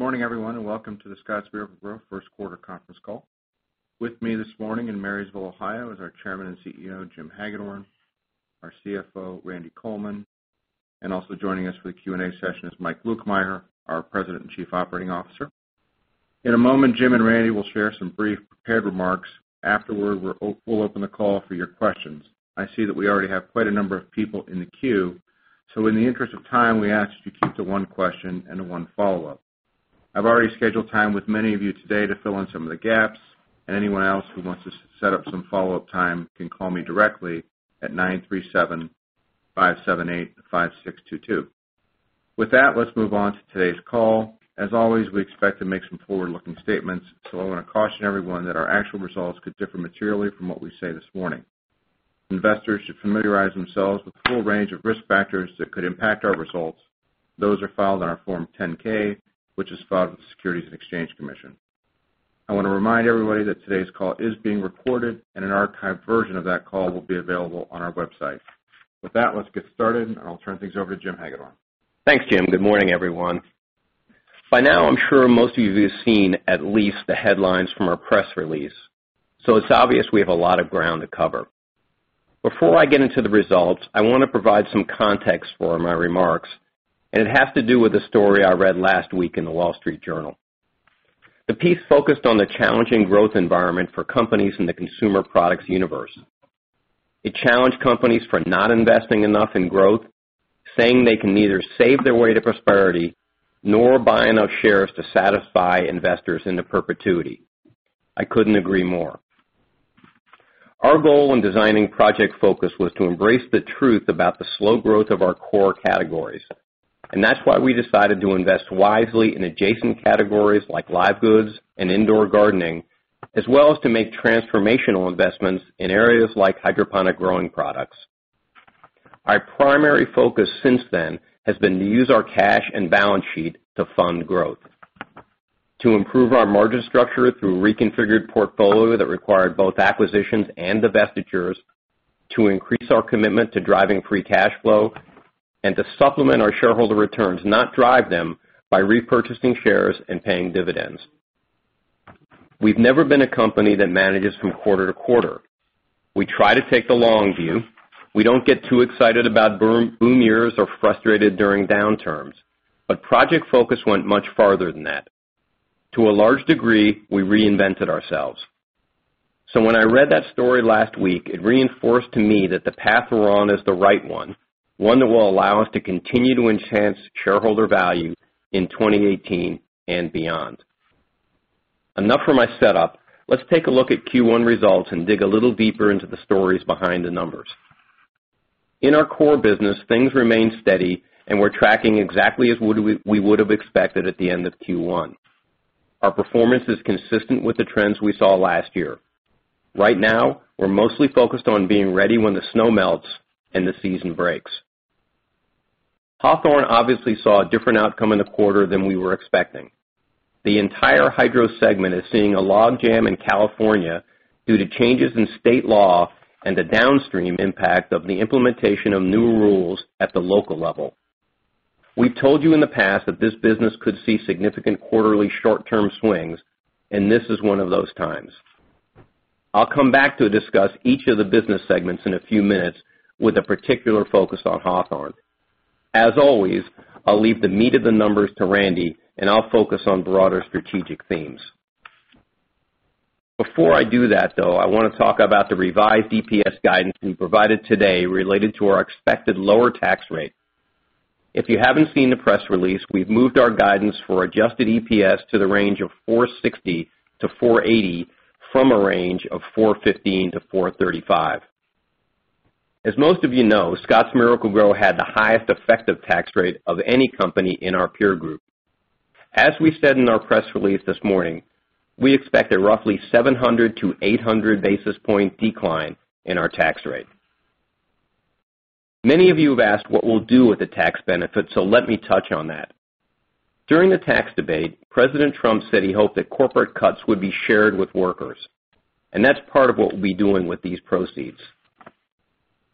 Good morning, everyone, and welcome to the Scotts Miracle-Gro first quarter conference call. With me this morning in Marysville, Ohio is our Chairman and CEO, Jim Hagedorn, our CFO, Randy Coleman, and also joining us for the Q&A session is Mike Lukemire, our President and Chief Operating Officer. In a moment, Jim and Randy will share some brief prepared remarks. Afterward, we'll open the call for your questions. I see that we already have quite a number of people in the queue. In the interest of time, we ask that you keep to one question and one follow-up. I've already scheduled time with many of you today to fill in some of the gaps, and anyone else who wants to set up some follow-up time can call me directly at 937-578-5622. With that, let's move on to today's call. As always, we expect to make some forward-looking statements. I want to caution everyone that our actual results could differ materially from what we say this morning. Investors should familiarize themselves with the full range of risk factors that could impact our results. Those are filed on our Form 10-K, which is filed with the Securities and Exchange Commission. I want to remind everybody that today's call is being recorded, and an archived version of that call will be available on our website. With that, let's get started, and I'll turn things over to Jim Hagedorn. Thanks, Jim. Good morning, everyone. By now, I'm sure most of you have seen at least the headlines from our press release. It's obvious we have a lot of ground to cover. Before I get into the results, I want to provide some context for my remarks, and it has to do with a story I read last week in The Wall Street Journal. The piece focused on the challenging growth environment for companies in the consumer products universe. It challenged companies for not investing enough in growth, saying they can neither save their way to prosperity nor buy enough shares to satisfy investors into perpetuity. I couldn't agree more. Our goal in designing Project Focus was to embrace the truth about the slow growth of our core categories, and that's why we decided to invest wisely in adjacent categories like live goods and indoor gardening, as well as to make transformational investments in areas like hydroponic growing products. Our primary focus since then has been to use our cash and balance sheet to fund growth, to improve our margin structure through reconfigured portfolio that required both acquisitions and divestitures, to increase our commitment to driving free cash flow, and to supplement our shareholder returns, not drive them, by repurchasing shares and paying dividends. We've never been a company that manages from quarter to quarter. We try to take the long view. We don't get too excited about boom years or frustrated during downturns. Project Focus went much farther than that. To a large degree, we reinvented ourselves. When I read that story last week, it reinforced to me that the path we're on is the right one that will allow us to continue to enhance shareholder value in 2018 and beyond. Enough for my setup. Let's take a look at Q1 results and dig a little deeper into the stories behind the numbers. In our core business, things remain steady, and we're tracking exactly as we would've expected at the end of Q1. Our performance is consistent with the trends we saw last year. Right now, we're mostly focused on being ready when the snow melts and the season breaks. Hawthorne obviously saw a different outcome in the quarter than we were expecting. The entire hydro segment is seeing a logjam in California due to changes in state law and the downstream impact of the implementation of new rules at the local level. We've told you in the past that this business could see significant quarterly short-term swings, and this is one of those times. I'll come back to discuss each of the business segments in a few minutes with a particular focus on Hawthorne. As always, I'll leave the meat of the numbers to Randy, and I'll focus on broader strategic themes. Before I do that, though, I want to talk about the revised EPS guidance we provided today related to our expected lower tax rate. If you haven't seen the press release, we've moved our guidance for adjusted EPS to the range of $4.60-$4.80 from a range of $4.15-$4.35. As most of you know, Scotts Miracle-Gro had the highest effective tax rate of any company in our peer group. As we said in our press release this morning, we expect a roughly 700-800 basis point decline in our tax rate. Many of you have asked what we'll do with the tax benefit, let me touch on that. During the tax debate, President Trump said he hoped that corporate cuts would be shared with workers, that's part of what we'll be doing with these proceeds.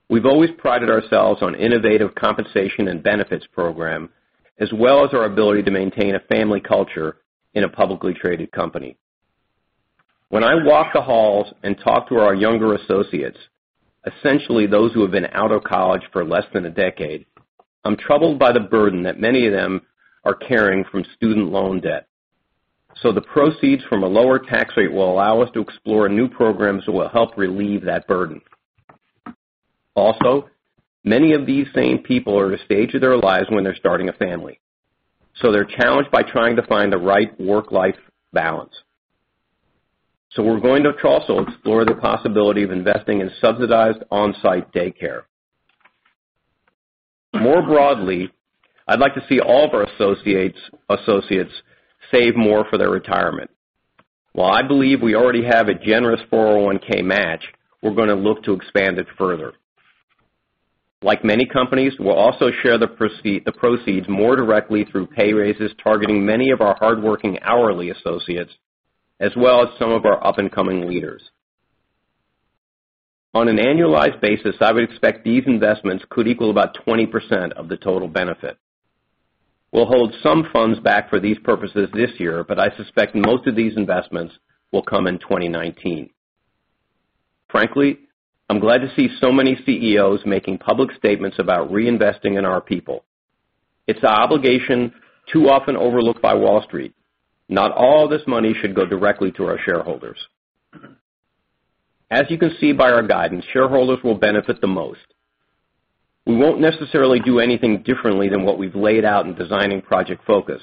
We've always prided ourselves on innovative compensation and benefits program, as well as our ability to maintain a family culture in a publicly traded company. When I walk the halls and talk to our younger associates, essentially those who have been out of college for less than a decade, I'm troubled by the burden that many of them are carrying from student loan debt. The proceeds from a lower tax rate will allow us to explore new programs that will help relieve that burden. Also, many of these same people are at a stage of their lives when they're starting a family. They're challenged by trying to find the right work-life balance. We're going to also explore the possibility of investing in subsidized on-site daycare. More broadly, I'd like to see all of our associates save more for their retirement. While I believe we already have a generous 401 match, we're going to look to expand it further. Like many companies, we'll also share the proceeds more directly through pay raises targeting many of our hardworking hourly associates, as well as some of our up-and-coming leaders. On an annualized basis, I would expect these investments could equal about 20% of the total benefit. We'll hold some funds back for these purposes this year, but I suspect most of these investments will come in 2019. Frankly, I'm glad to see so many CEOs making public statements about reinvesting in our people. It's the obligation too often overlooked by Wall Street. Not all this money should go directly to our shareholders. As you can see by our guidance, shareholders will benefit the most. We won't necessarily do anything differently than what we've laid out in designing Project Focus,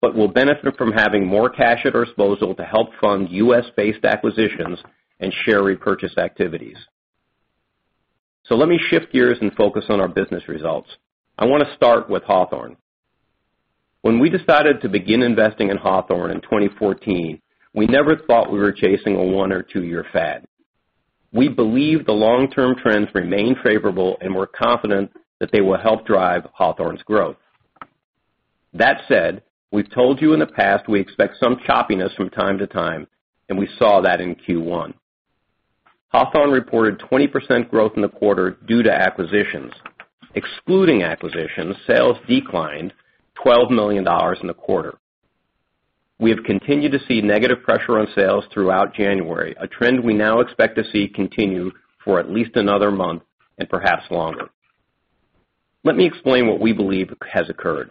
but we'll benefit from having more cash at our disposal to help fund U.S.-based acquisitions and share repurchase activities. Let me shift gears and focus on our business results. I want to start with Hawthorne. When we decided to begin investing in Hawthorne in 2014, we never thought we were chasing a one or two-year fad. We believe the long-term trends remain favorable, and we're confident that they will help drive Hawthorne's growth. That said, we've told you in the past we expect some choppiness from time to time, and we saw that in Q1. Hawthorne reported 20% growth in the quarter due to acquisitions. Excluding acquisitions, sales declined $12 million in the quarter. We have continued to see negative pressure on sales throughout January, a trend we now expect to see continue for at least another month and perhaps longer. Let me explain what we believe has occurred.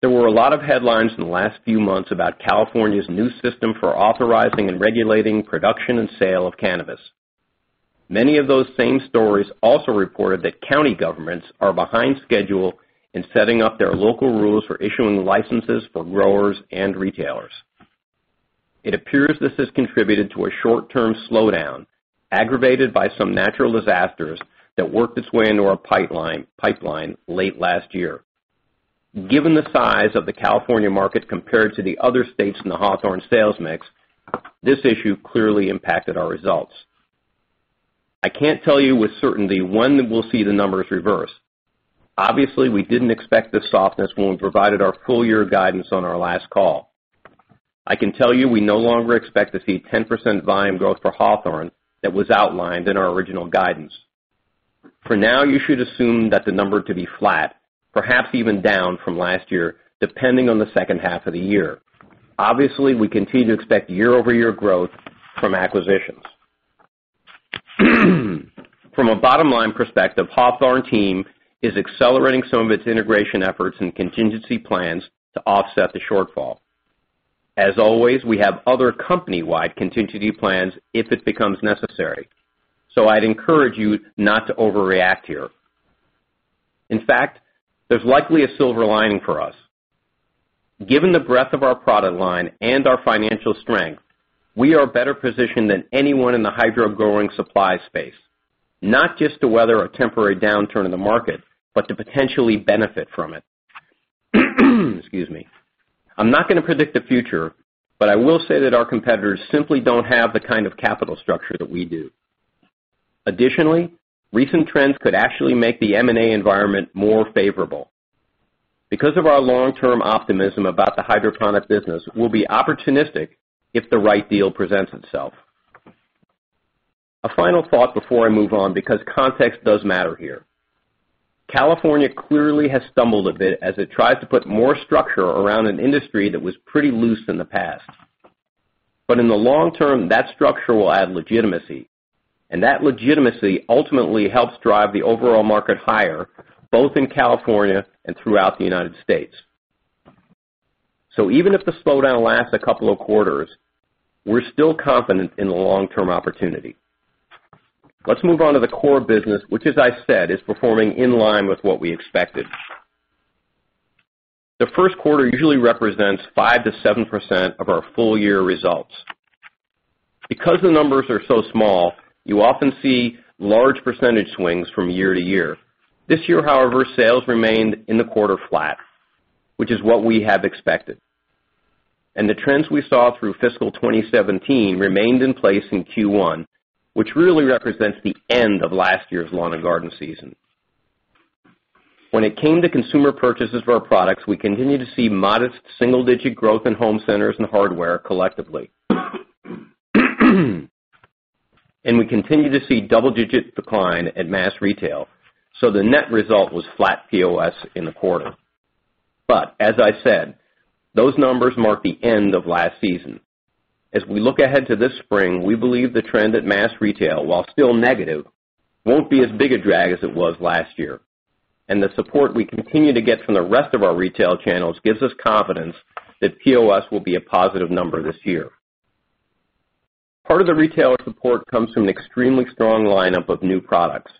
There were a lot of headlines in the last few months about California's new system for authorizing and regulating production and sale of cannabis. Many of those same stories also reported that county governments are behind schedule in setting up their local rules for issuing licenses for growers and retailers. It appears this has contributed to a short-term slowdown, aggravated by some natural disasters that worked its way into our pipeline late last year. Given the size of the California market compared to the other states in the Hawthorne sales mix, this issue clearly impacted our results. I can't tell you with certainty when we'll see the numbers reverse. Obviously, we didn't expect this softness when we provided our full-year guidance on our last call. I can tell you, we no longer expect to see 10% volume growth for Hawthorne that was outlined in our original guidance. For now, you should assume that the number to be flat, perhaps even down from last year, depending on the second half of the year. Obviously, we continue to expect year-over-year growth from acquisitions. From a bottom-line perspective, Hawthorne team is accelerating some of its integration efforts and contingency plans to offset the shortfall. As always, we have other company-wide contingency plans if it becomes necessary. I'd encourage you not to overreact here. In fact, there's likely a silver lining for us. Given the breadth of our product line and our financial strength, we are better positioned than anyone in the hydro growing supply space, not just to weather a temporary downturn in the market, but to potentially benefit from it. Excuse me. I'm not going to predict the future, but I will say that our competitors simply don't have the kind of capital structure that we do. Additionally, recent trends could actually make the M&A environment more favorable. Because of our long-term optimism about the hydroponic business, we'll be opportunistic if the right deal presents itself. A final thought before I move on, because context does matter here. California clearly has stumbled a bit as it tries to put more structure around an industry that was pretty loose in the past. In the long term, that structure will add legitimacy, and that legitimacy ultimately helps drive the overall market higher, both in California and throughout the U.S. Even if the slowdown lasts a couple of quarters, we're still confident in the long-term opportunity. Let's move on to the core business, which as I said, is performing in line with what we expected. The first quarter usually represents 5%-7% of our full-year results. Because the numbers are so small, you often see large percentage swings from year-to-year. This year, however, sales remained in the quarter flat, which is what we have expected. The trends we saw through fiscal 2017 remained in place in Q1, which really represents the end of last year's lawn and garden season. When it came to consumer purchases for our products, we continue to see modest single-digit growth in home centers and hardware collectively. We continue to see double-digit decline at mass retail, the net result was flat POS in the quarter. As I said, those numbers mark the end of last season. As we look ahead to this spring, we believe the trend at mass retail, while still negative, won't be as big a drag as it was last year, and the support we continue to get from the rest of our retail channels gives us confidence that POS will be a positive number this year. Part of the retailer support comes from an extremely strong lineup of new products.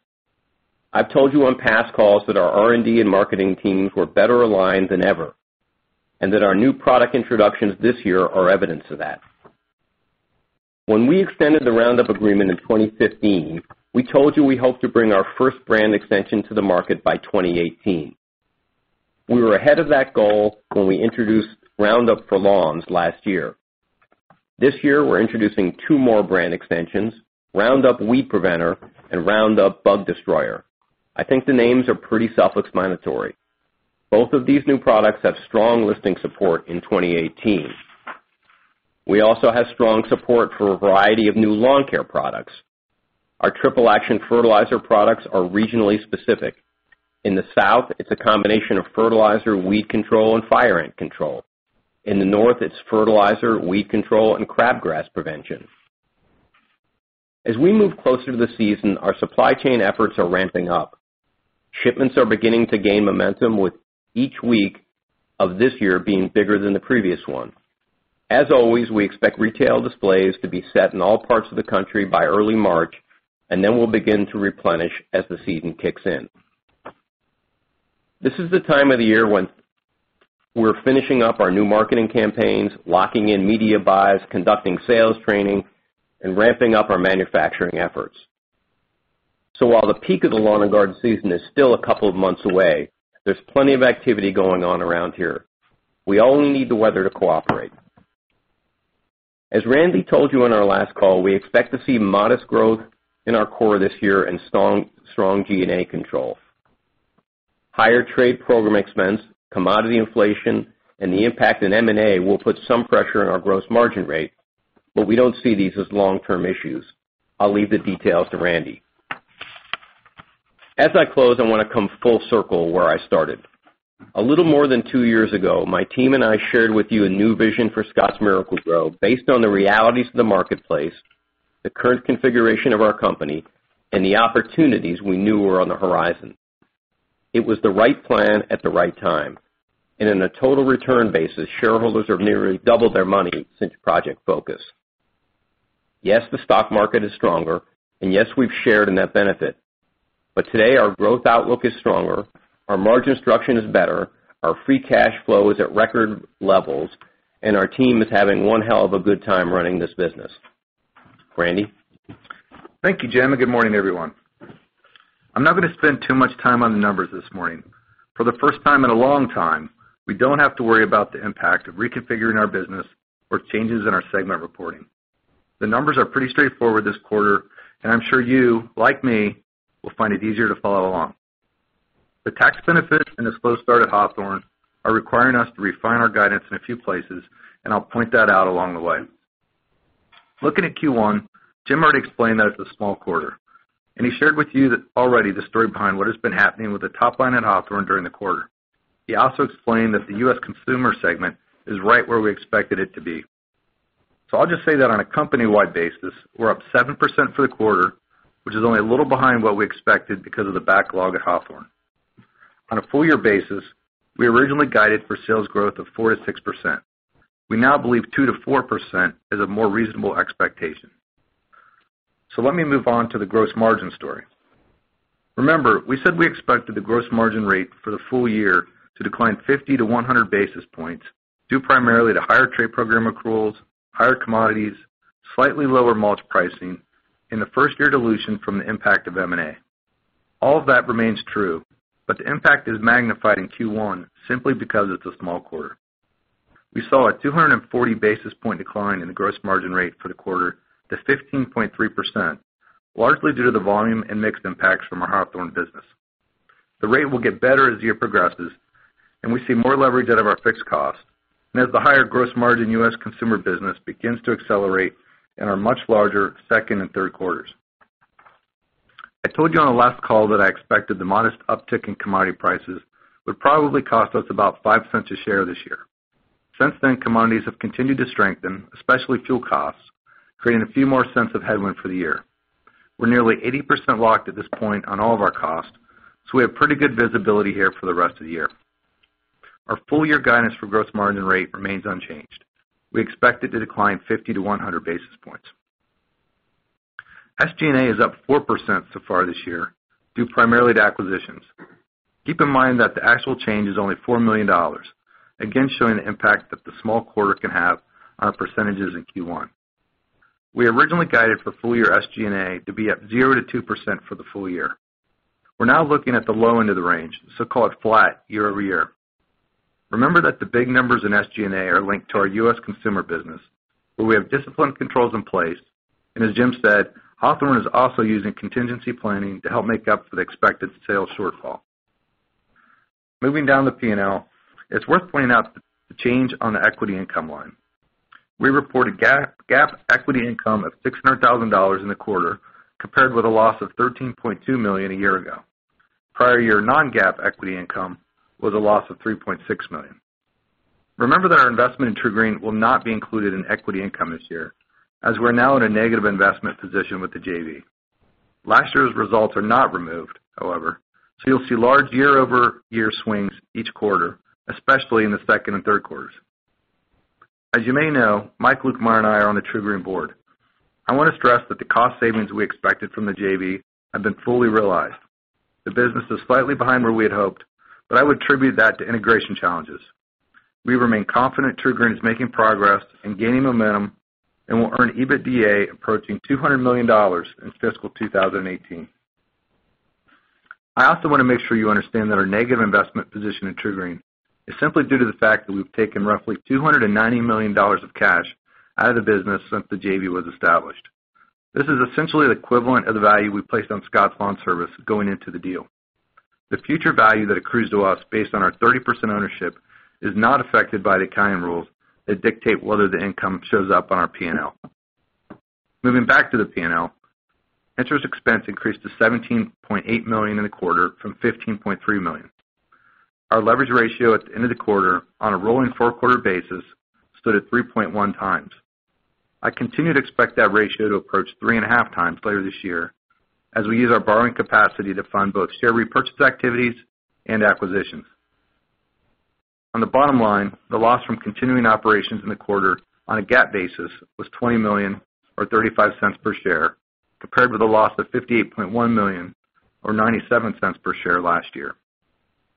I've told you on past calls that our R&D and marketing teams were better aligned than ever, and that our new product introductions this year are evidence of that. When we extended the Roundup agreement in 2015, we told you we hoped to bring our first brand extension to the market by 2018. We were ahead of that goal when we introduced Roundup for Lawns last year. This year, we're introducing two more brand extensions, Roundup Weed Preventer and Roundup Bug Destroyer. I think the names are pretty self-explanatory. Both of these new products have strong listing support in 2018. We also have strong support for a variety of new lawn care products. Our triple action fertilizer products are regionally specific. In the South, it's a combination of fertilizer, weed control, and fire ant control. In the North, it's fertilizer, weed control, and crabgrass prevention. As we move closer to the season, our supply chain efforts are ramping up. Shipments are beginning to gain momentum with each week of this year being bigger than the previous one. As always, we expect retail displays to be set in all parts of the country by early March, we'll begin to replenish as the season kicks in. This is the time of the year when we're finishing up our new marketing campaigns, locking in media buys, conducting sales training, and ramping up our manufacturing efforts. While the peak of the lawn and garden season is still a couple of months away, there's plenty of activity going on around here. We only need the weather to cooperate. As Randy told you on our last call, we expect to see modest growth in our core this year and strong G&A control. Higher trade program expense, commodity inflation, and the impact in M&A will put some pressure on our gross margin rate. We don't see these as long-term issues. I'll leave the details to Randy. As I close, I want to come full circle where I started. A little more than two years ago, my team and I shared with you a new vision for Scotts Miracle-Gro based on the realities of the marketplace, the current configuration of our company, and the opportunities we knew were on the horizon. It was the right plan at the right time. In a total return basis, shareholders have nearly doubled their money since Project Focus. Yes, the stock market is stronger, and yes, we've shared in that benefit. Today our growth outlook is stronger, our margin structure is better, our free cash flow is at record levels, and our team is having one hell of a good time running this business. Randy? Thank you, Jim, and good morning, everyone. I'm not going to spend too much time on the numbers this morning. For the first time in a long time, we don't have to worry about the impact of reconfiguring our business or changes in our segment reporting. The numbers are pretty straightforward this quarter. I'm sure you, like me, will find it easier to follow along. The tax benefit and the slow start at Hawthorne are requiring us to refine our guidance in a few places. I'll point that out along the way. Looking at Q1, Jim already explained that it's a small quarter. He shared with you already the story behind what has been happening with the top line at Hawthorne during the quarter. He also explained that the U.S. consumer segment is right where we expected it to be. I'll just say that on a company-wide basis, we're up 7% for the quarter, which is only a little behind what we expected because of the backlog at Hawthorne. On a full year basis, we originally guided for sales growth of 4%-6%. We now believe 2%-4% is a more reasonable expectation. Let me move on to the gross margin story. Remember, we said we expected the gross margin rate for the full year to decline 50-100 basis points, due primarily to higher trade program accruals, higher commodities, slightly lower mulch pricing, and the first-year dilution from the impact of M&A. All of that remains true. The impact is magnified in Q1 simply because it's a small quarter. We saw a 240 basis point decline in the gross margin rate for the quarter to 15.3%, largely due to the volume and mix impacts from our Hawthorne business. The rate will get better as the year progresses, and we see more leverage out of our fixed costs and as the higher gross margin U.S. consumer business begins to accelerate in our much larger second and third quarters. I told you on our last call that I expected the modest uptick in commodity prices would probably cost us about $0.05 a share this year. Since then, commodities have continued to strengthen, especially fuel costs, creating a few more $0.01 of headwind for the year. We're nearly 80% locked at this point on all of our costs, so we have pretty good visibility here for the rest of the year. Our full year guidance for gross margin rate remains unchanged. We expect it to decline 50-100 basis points. SG&A is up 4% so far this year, due primarily to acquisitions. Keep in mind that the actual change is only $4 million, again, showing the impact that the small quarter can have on our percentages in Q1. We originally guided for full year SG&A to be up 0%-2% for the full year. We're now looking at the low end of the range, so call it flat year-over-year. Remember that the big numbers in SG&A are linked to our U.S. consumer business, where we have disciplined controls in place, and as Jim said, Hawthorne is also using contingency planning to help make up for the expected sales shortfall. Moving down the P&L, it's worth pointing out the change on the equity income line. We reported GAAP equity income of $600,000 in the quarter, compared with a loss of $13.2 million a year ago. Prior year non-GAAP equity income was a loss of $3.6 million. Remember that our investment in TruGreen will not be included in equity income this year, as we're now in a negative investment position with the JV. Last year's results are not removed, however, so you'll see large year-over-year swings each quarter, especially in the second and third quarters. As you may know, Mike Lukemire and I are on the TruGreen board. I want to stress that the cost savings we expected from the JV have been fully realized. The business is slightly behind where we had hoped, but I would attribute that to integration challenges. We remain confident TruGreen is making progress and gaining momentum and will earn EBITDA approaching $200 million in fiscal 2018. I also want to make sure you understand that our negative investment position in TruGreen is simply due to the fact that we've taken roughly $290 million of cash out of the business since the JV was established. This is essentially the equivalent of the value we placed on Scotts LawnService going into the deal. The future value that accrues to us based on our 30% ownership is not affected by the accounting rules that dictate whether the income shows up on our P&L. Moving back to the P&L, interest expense increased to $17.8 million in the quarter from $15.3 million. Our leverage ratio at the end of the quarter, on a rolling four-quarter basis, stood at 3.1 times. I continue to expect that ratio to approach 3.5 times later this year as we use our borrowing capacity to fund both share repurchase activities and acquisitions. On the bottom line, the loss from continuing operations in the quarter on a GAAP basis was $20 million or $0.35 per share, compared with a loss of $58.1 million or $0.97 per share last year.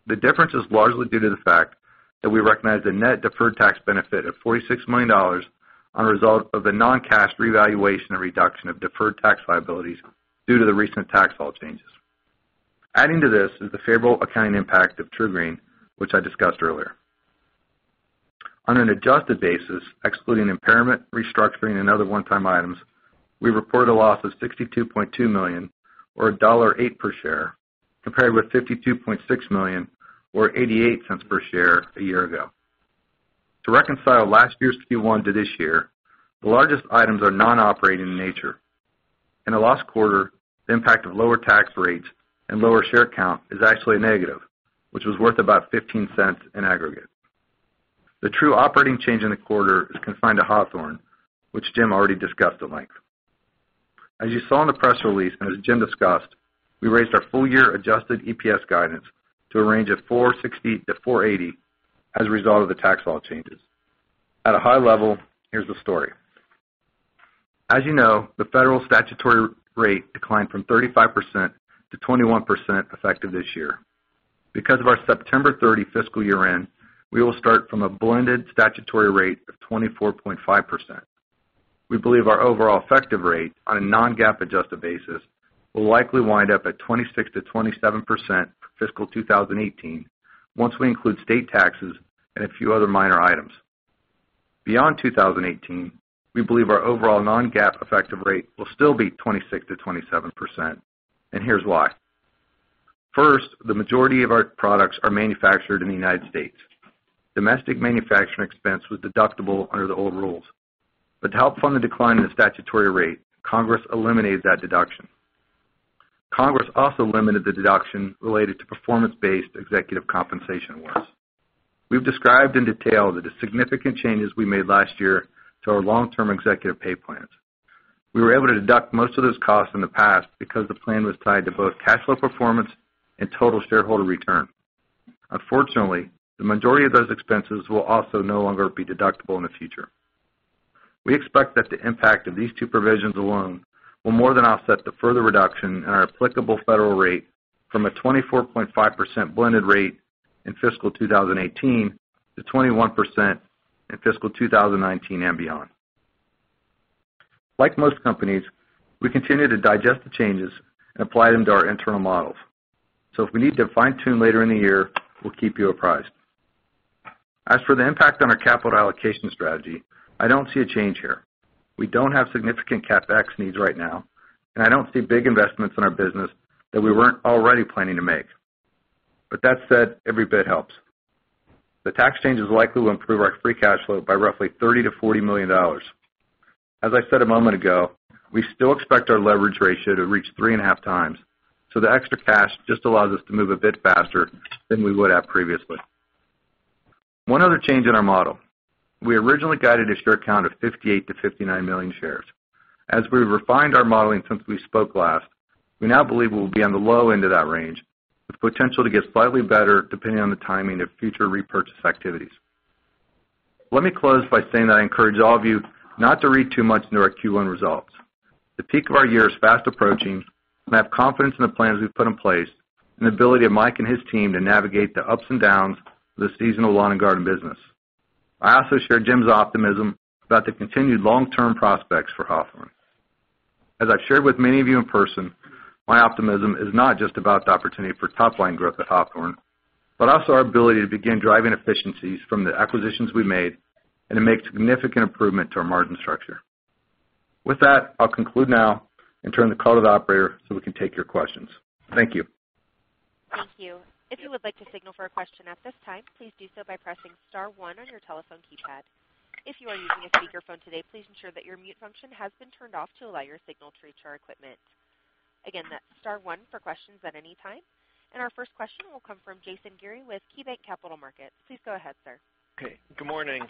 The difference is largely due to the fact that we recognized a net deferred tax benefit of $46 million on result of the non-cash revaluation and reduction of deferred tax liabilities due to the recent tax law changes. Adding to this is the favorable accounting impact of TruGreen, which I discussed earlier. On an adjusted basis, excluding impairment, restructuring, and other one-time items, we report a loss of $62.2 million or $1.08 per share, compared with $52.6 million or $0.88 per share a year ago. To reconcile last year's Q1 to this year, the largest items are non-operating in nature. In the last quarter, the impact of lower tax rates and lower share count is actually a negative, which was worth about $0.15 in aggregate. The true operating change in the quarter is confined to Hawthorne, which Jim already discussed at length. As you saw in the press release, and as Jim discussed, we raised our full-year adjusted EPS guidance to a range of $4.60-$4.80 as a result of the tax law changes. At a high level, here's the story. As you know, the federal statutory rate declined from 35%-21% effective this year. Because of our September 30 fiscal year-end, we will start from a blended statutory rate of 24.5%. We believe our overall effective rate on a non-GAAP adjusted basis will likely wind up at 26%-27% for fiscal 2018 once we include state taxes and a few other minor items. Beyond 2018, we believe our overall non-GAAP effective rate will still be 26%-27%, and here's why. First, the majority of our products are manufactured in the United States. Domestic manufacturing expense was deductible under the old rules, but to help fund the decline in the statutory rate, Congress eliminated that deduction. Congress also limited the deduction related to performance-based executive compensation awards. We've described in detail the significant changes we made last year to our long-term executive pay plans. We were able to deduct most of those costs in the past because the plan was tied to both cash flow performance and total shareholder return. Unfortunately, the majority of those expenses will also no longer be deductible in the future. We expect that the impact of these two provisions alone will more than offset the further reduction in our applicable federal rate from a 24.5% blended rate in fiscal 2018 to 21% in fiscal 2019 and beyond. Like most companies, we continue to digest the changes and apply them to our internal models. If we need to fine-tune later in the year, we'll keep you apprised. As for the impact on our capital allocation strategy, I don't see a change here. We don't have significant CapEx needs right now, and I don't see big investments in our business that we weren't already planning to make. But that said, every bit helps. The tax changes likely will improve our free cash flow by roughly $30 million-$40 million. As I said a moment ago, we still expect our leverage ratio to reach three and a half times, so the extra cash just allows us to move a bit faster than we would have previously. One other change in our model. We originally guided a share count of 58 million-59 million shares. As we refined our modeling since we spoke last, we now believe we will be on the low end of that range, with potential to get slightly better depending on the timing of future repurchase activities. Let me close by saying that I encourage all of you not to read too much into our Q1 results. The peak of our year is fast approaching, and I have confidence in the plans we've put in place and the ability of Mike and his team to navigate the ups and downs of the seasonal lawn and garden business. I also share Jim's optimism about the continued long-term prospects for Hawthorne. As I've shared with many of you in person, my optimism is not just about the opportunity for top-line growth at Hawthorne, but also our ability to begin driving efficiencies from the acquisitions we made and to make significant improvement to our margin structure. With that, I'll conclude now and turn the call to the operator so we can take your questions. Thank you. Thank you. If you would like to signal for a question at this time, please do so by pressing *1 on your telephone keypad. If you are using a speakerphone today, please ensure that your mute function has been turned off to allow your signal to reach our equipment. Again, that's *1 for questions at any time. Our first question will come from Jason Gere with KeyBanc Capital Markets. Please go ahead, sir. Okay. Good morning.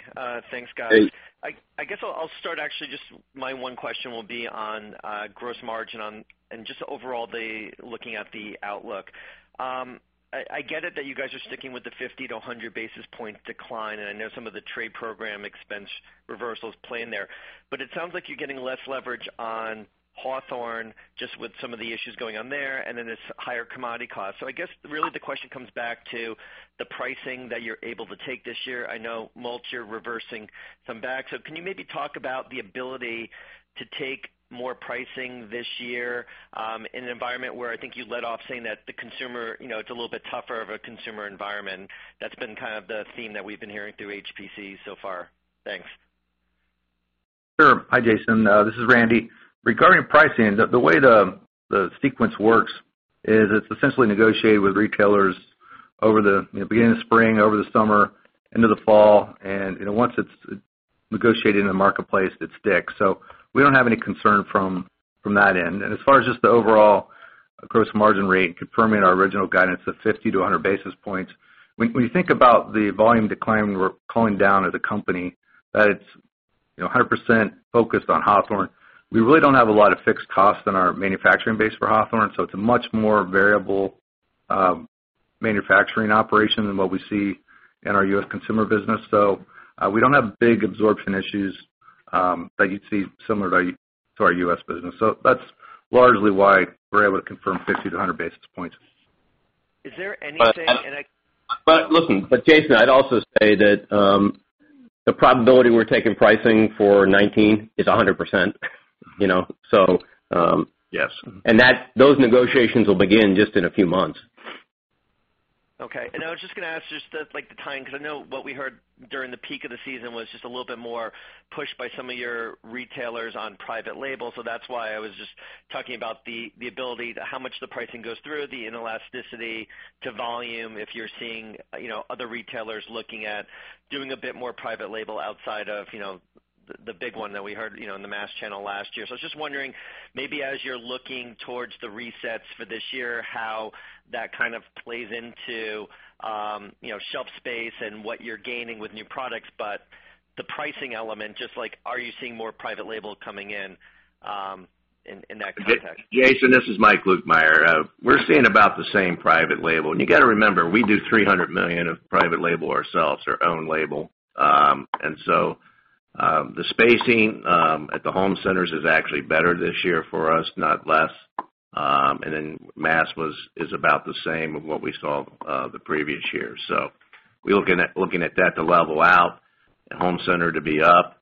Thanks, guys. Hey. I guess I'll start actually just my one question will be on gross margin and just overall looking at the outlook. I get it that you guys are sticking with the 50 to 100 basis point decline, and I know some of the trade program expense reversals play in there, but it sounds like you're getting less leverage on Hawthorne just with some of the issues going on there and then this higher commodity cost. I guess really the question comes back to the pricing that you're able to take this year. I know mulch, you're reversing some back. Can you maybe talk about the ability to take more pricing this year in an environment where I think you led off saying that the consumer, it's a little bit tougher of a consumer environment. That's been kind of the theme that we've been hearing through HPC so far. Thanks. Hi, Jason. This is Randy. Regarding pricing, the way the sequence works is it's essentially negotiated with retailers over the beginning of spring, over the summer, into the fall, and once it's negotiated in the marketplace, it sticks. We don't have any concern from that end. As far as just the overall gross margin rate, confirming our original guidance of 50 to 100 basis points. When you think about the volume decline we're culling down as a company, that it's 100% focused on Hawthorne, we really don't have a lot of fixed costs in our manufacturing base for Hawthorne, it's a much more variable manufacturing operation than what we see in our U.S. consumer business. We don't have big absorption issues that you'd see similar to our U.S. business. That's largely why we're able to confirm 50 to 100 basis points. Is there anything- Listen, Jason, I'd also say that the probability we're taking pricing for 2019 is 100%. Yes. Those negotiations will begin just in a few months. Okay. I was just going to ask just like the timing, because I know what we heard during the peak of the season was just a little bit more pushed by some of your retailers on private label. That's why I was just talking about the ability, how much the pricing goes through, the inelasticity to volume, if you're seeing other retailers looking at doing a bit more private label outside of the big one that we heard in the mass channel last year. I was just wondering, maybe as you're looking towards the resets for this year, how that kind of plays into shelf space and what you're gaining with new products. The pricing element, just like are you seeing more private label coming in that context? Jason, this is Mike Lukemire. We're seeing about the same private label. You got to remember, we do $300 million of private label ourselves or own label. The spacing at the home centers is actually better this year for us, not less. Mass is about the same of what we saw the previous year. We're looking at that to level out and home center to be up.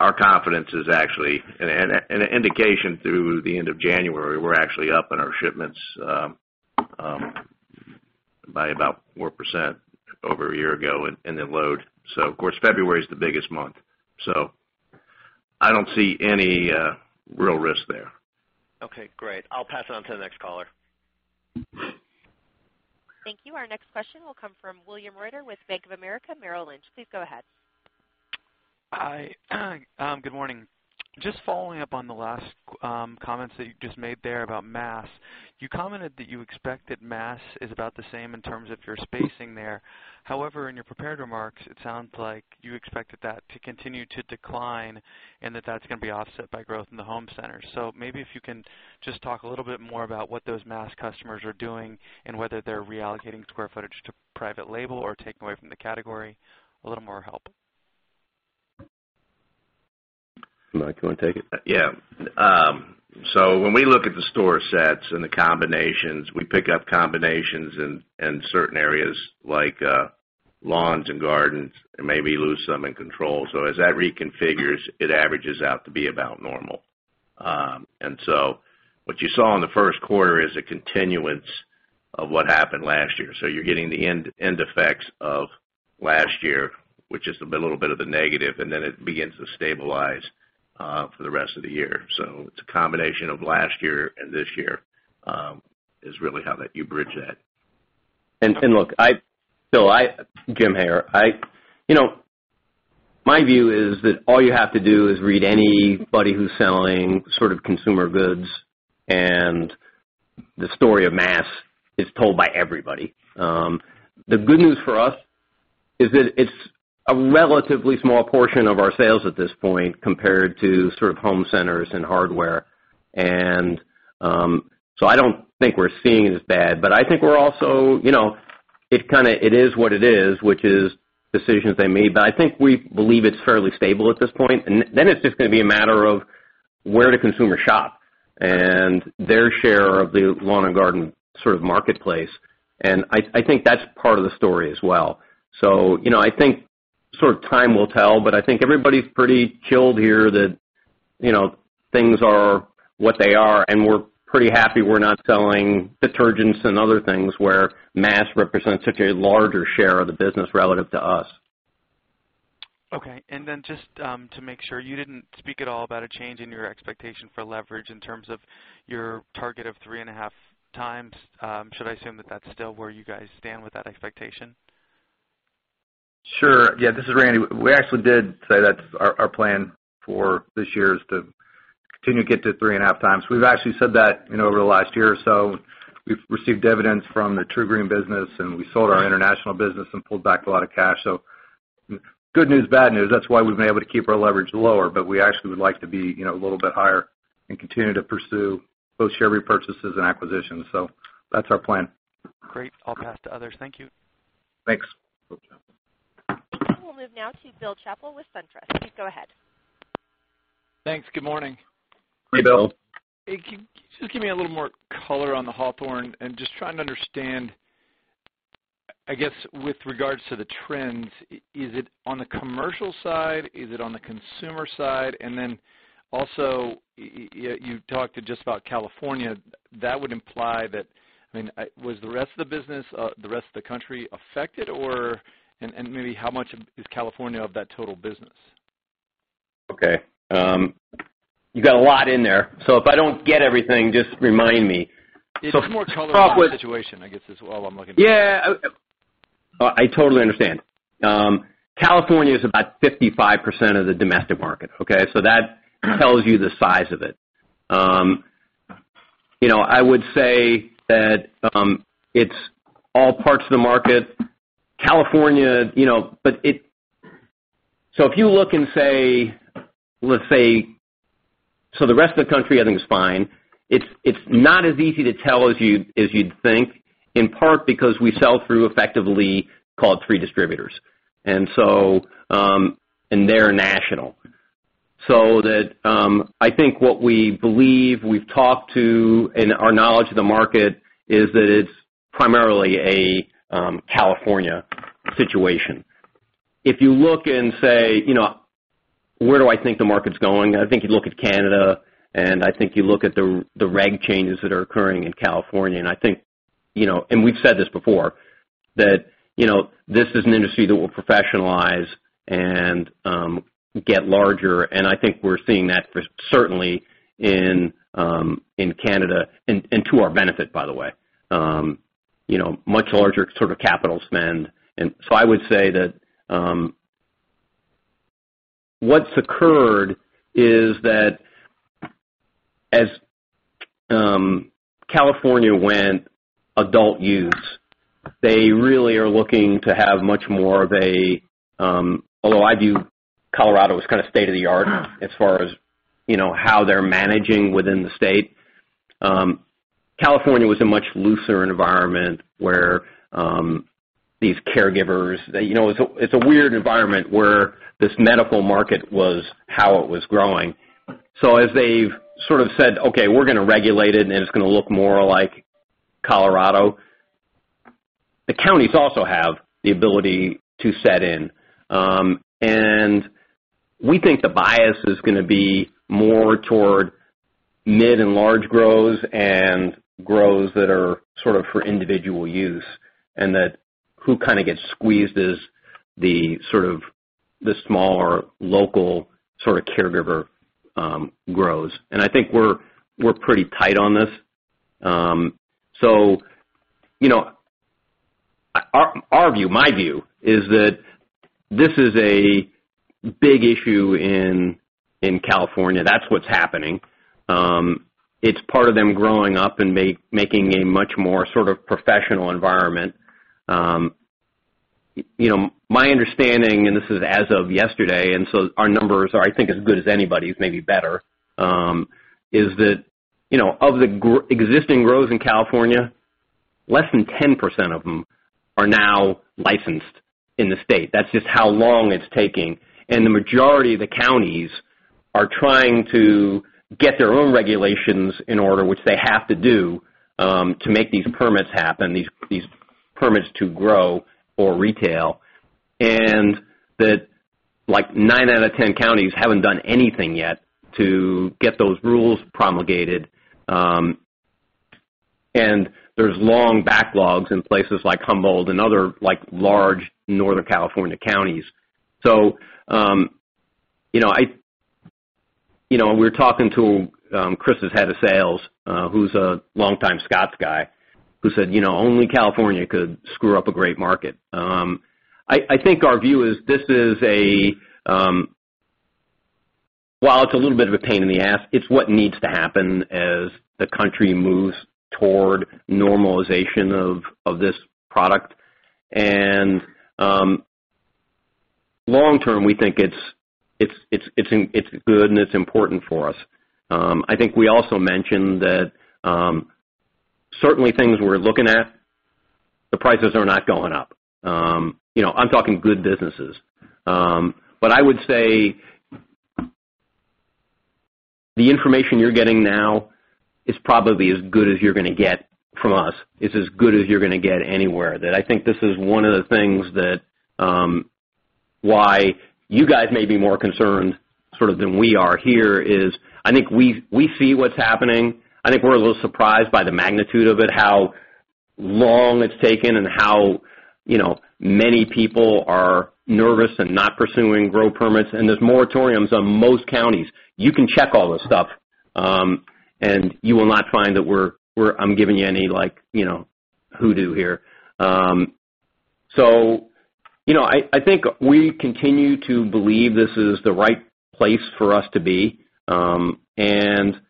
Our confidence is actually, an indication through the end of January, we're actually up in our shipments by about 4% over a year ago in the load. Of course, February is the biggest month, I don't see any real risk there. Okay, great. I'll pass it on to the next caller. Thank you. Our next question will come from William Reutter with Bank of America Merrill Lynch. Please go ahead. Hi. Good morning. Just following up on the last comments that you just made there about mass. You commented that you expect that mass is about the same in terms of your spacing there. However, in your prepared remarks, it sounds like you expected that to continue to decline and that's going to be offset by growth in the home center. Maybe if you can just talk a little bit more about what those mass customers are doing and whether they're reallocating square footage to private label or taking away from the category. A little more help. Mike, you want to take it? Yeah. When we look at the store sets and the combinations, we pick up combinations in certain areas like lawns and gardens and maybe lose some in control. As that reconfigures, it averages out to be about normal. What you saw in the first quarter is a continuance of what happened last year. You're getting the end effects of last year, which is a little bit of a negative, and then it begins to stabilize for the rest of the year. It's a combination of last year and this year, is really how you bridge that. Look, Jim Hagedorn. My view is that all you have to do is read anybody who's selling sort of consumer goods and the story of mass is told by everybody. The good news for us is that it's a relatively small portion of our sales at this point compared to sort of home centers and hardware. I don't think we're seeing it as bad. I think we're also, it is what it is, which is decisions they made. I think we believe it's fairly stable at this point, it's just going to be a matter of where do consumers shop and their share of the lawn and garden sort of marketplace. I think that's part of the story as well. I think time will tell, but I think everybody's pretty chilled here that things are what they are, and we're pretty happy we're not selling detergents and other things where mass represents such a larger share of the business relative to us. Okay. Just to make sure, you didn't speak at all about a change in your expectation for leverage in terms of your target of 3.5 times. Should I assume that that's still where you guys stand with that expectation? Sure. Yeah, this is Randy. We actually did say that's our plan for this year is to continue to get to 3.5 times. We've actually said that over the last year or so. We've received dividends from the TruGreen business, we sold our international business and pulled back a lot of cash. Good news, bad news. That's why we've been able to keep our leverage lower, we actually would like to be a little bit higher and continue to pursue both share repurchases and acquisitions. That's our plan. Great. I'll pass to others. Thank you. Thanks. We'll move now to Bill Chappell with SunTrust. Please go ahead. Thanks. Good morning. Hey, Bill. Can you just give me a little more color on the Hawthorne and just trying to understand, I guess, with regards to the trends, is it on the commercial side? Is it on the consumer side? Then also, you talked just about California. That would imply that, was the rest of the business, the rest of the country affected? Maybe how much is California of that total business? Okay. You got a lot in there, if I don't get everything, just remind me. It's more California situation, I guess, is all I'm looking at. Yeah. I totally understand. California is about 55% of the domestic market. Okay? That tells you the size of it. I would say that it's all parts of the market. If you look and say The rest of the country, I think is fine. It's not as easy to tell as you'd think, in part because we sell through effectively called three distributors, and they're national. I think what we believe we've talked to and our knowledge of the market is that it's primarily a California situation. If you look and say, where do I think the market's going? I think you look at Canada, I think you look at the reg changes that are occurring in California, I think, and we've said this before, that this is an industry that will professionalize and get larger, and I think we're seeing that for certainly in Canada, and to our benefit, by the way. Much larger sort of capital spend. I would say that what's occurred is that as California went adult use, they really are looking to have much more of a Although I view Colorado as kind of state-of-the-art as far as how they're managing within the state. California was a much looser environment where these caregivers. It's a weird environment where this medical market was how it was growing. As they've sort of said, "Okay, we're going to regulate it, and it's going to look more like Colorado." The counties also have the ability to set in, we think the bias is going to be more toward mid and large grows and grows that are sort of for individual use, that who kind of gets squeezed is the sort of the smaller local sort of caregiver grows. I think we're pretty tight on this. Our view, my view, is that this is a big issue in California. That's what's happening. It's part of them growing up and making a much more sort of professional environment. My understanding, this is as of yesterday, our numbers are, I think, as good as anybody's, maybe better, is that of the existing grows in California, less than 10% of them are now licensed in the state. That's just how long it's taking. The majority of the counties are trying to get their own regulations in order, which they have to do, to make these permits happen, these permits to grow for retail. Nine out of 10 counties haven't done anything yet to get those rules promulgated. There's long backlogs in places like Humboldt and other large Northern California counties. We were talking to Chris' head of sales, who's a longtime Scotts guy, who said, "Only California could screw up a great market." I think our view is this is a. While it's a little bit of a pain in the ass, it's what needs to happen as the country moves toward normalization of this product. Long term, we think it's good, and it's important for us. I think we also mentioned that certainly things we're looking at, the prices are not going up. I'm talking good businesses. I would say the information you're getting now is probably as good as you're going to get from us. It's as good as you're going to get anywhere. I think this is one of the things that why you guys may be more concerned sort of than we are here is I think we see what's happening. I think we're a little surprised by the magnitude of it, how long it's taken, and how many people are nervous and not pursuing grow permits, and there's moratoriums on most counties. You can check all this stuff, and you will not find that I'm giving you any hoodoo here. I think we continue to believe this is the right place for us to be, and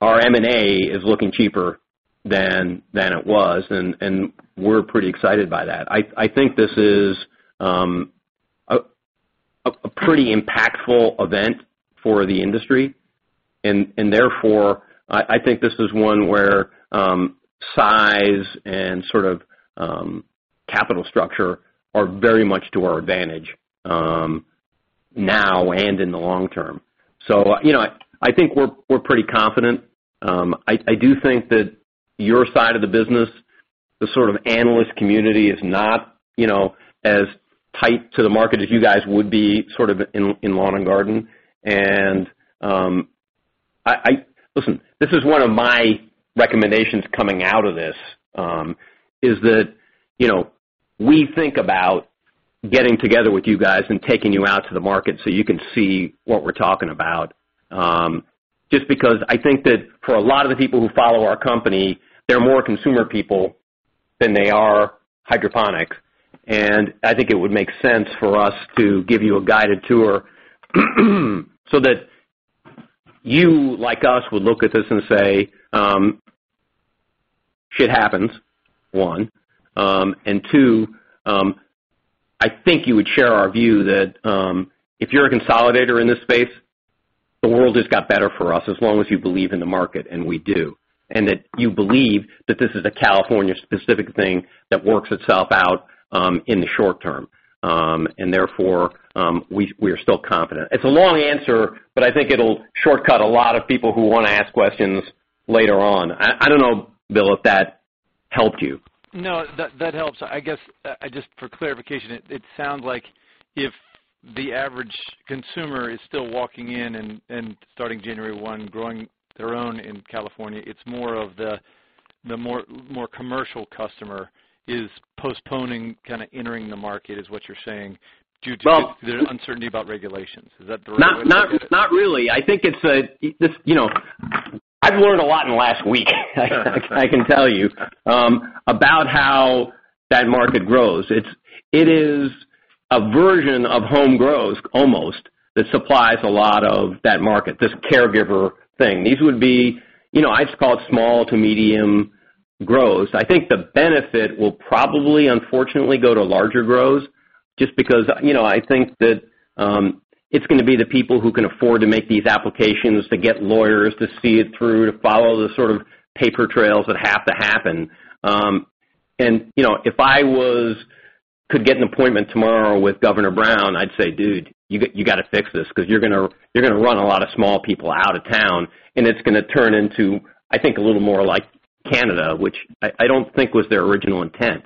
our M&A is looking cheaper than it was, and we're pretty excited by that. I think this is a pretty impactful event for the industry. Therefore, I think this is one where size and sort of capital structure are very much to our advantage now and in the long term. I think we're pretty confident. I do think that your side of the business, the sort of analyst community is not as tight to the market as you guys would be sort of in lawn and garden. Listen, this is one of my recommendations coming out of this, is that we think about getting together with you guys and taking you out to the market so you can see what we're talking about. Just because I think that for a lot of the people who follow our company, they're more consumer people than they are hydroponics. I think it would make sense for us to give you a guided tour so that you, like us, would look at this and say, "Shit happens," one. Two, I think you would share our view that if you're a consolidator in this space, the world just got better for us, as long as you believe in the market, and we do. That you believe that this is a California-specific thing that works itself out in the short term. Therefore, we are still confident. It's a long answer, but I think it'll shortcut a lot of people who want to ask questions later on. I don't know, Bill, if that helped you. No, that helps. I guess, just for clarification, it sounds like if the average consumer is still walking in and starting January 1, growing their own in California, it's more of the more commercial customer is postponing kind of entering the market, is what you're saying, due to the uncertainty about regulations. Is that the right way to take it? Not really. I've learned a lot in the last week, I can tell you, about how that market grows. It is a version of home grows, almost, that supplies a lot of that market, this caregiver thing. These would be, I just call it small to medium grows. I think the benefit will probably, unfortunately, go to larger grows just because I think that it's going to be the people who can afford to make these applications, to get lawyers to see it through, to follow the sort of paper trails that have to happen. If I could get an appointment tomorrow with Governor Brown, I'd say, "Dude, you got to fix this because you're going to run a lot of small people out of town, and it's going to turn into, I think, a little more like Canada," which I don't think was their original intent.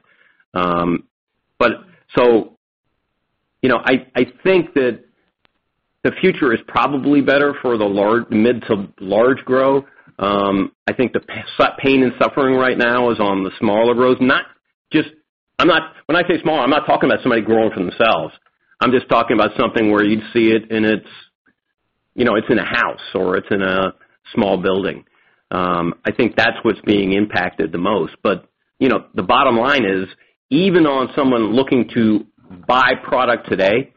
I think that the future is probably better for the mid to large grow. I think the pain and suffering right now is on the smaller grows. When I say small, I'm not talking about somebody growing for themselves. I'm just talking about something where you'd see it, and it's in a house, or it's in a small building. I think that's what's being impacted the most. The bottom line is, even on someone looking to buy product today,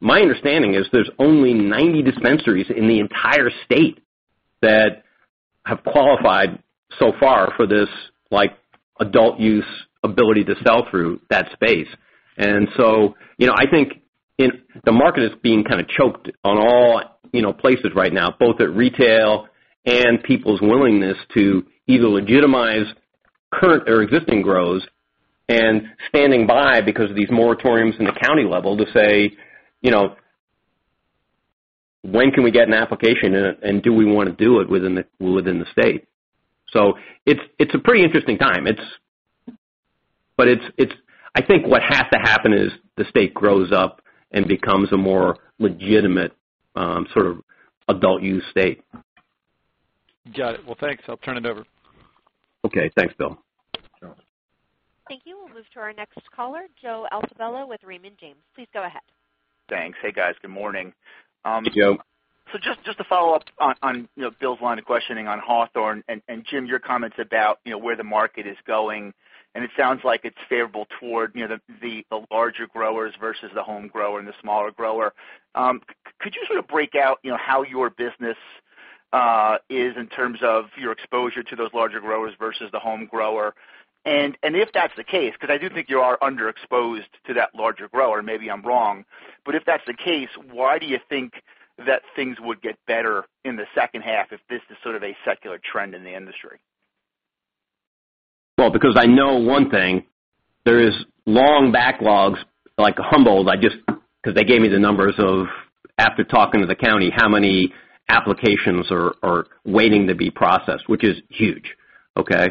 my understanding is there's only 90 dispensaries in the entire state that have qualified so far for this adult use ability to sell through that space. I think the market is being kind of choked on all places right now, both at retail and people's willingness to either legitimize current or existing grows and standing by because of these moratoriums in the county level to say, "When can we get an application, and do we want to do it within the state?" It's a pretty interesting time. I think what has to happen is the state grows up and becomes a more legitimate sort of adult use state. Got it. Well, thanks. I'll turn it over. Okay. Thanks, Bill. Thank you. We'll move to our next caller, Joe Altobello with Raymond James. Please go ahead. Thanks. Hey, guys. Good morning. Hey, Joe. Just to follow up on Bill's line of questioning on Hawthorne, and Jim, your comments about where the market is going, and it sounds like it's favorable toward the larger growers versus the home grower and the smaller grower. Could you sort of break out how your business is in terms of your exposure to those larger growers versus the home grower? If that's the case, because I do think you are underexposed to that larger grower, maybe I'm wrong, but if that's the case, why do you think that things would get better in the second half if this is sort of a secular trend in the industry? Because I know one thing, there is long backlogs, like Humboldt, because they gave me the numbers of after talking to the county, how many applications are waiting to be processed, which is huge. Okay?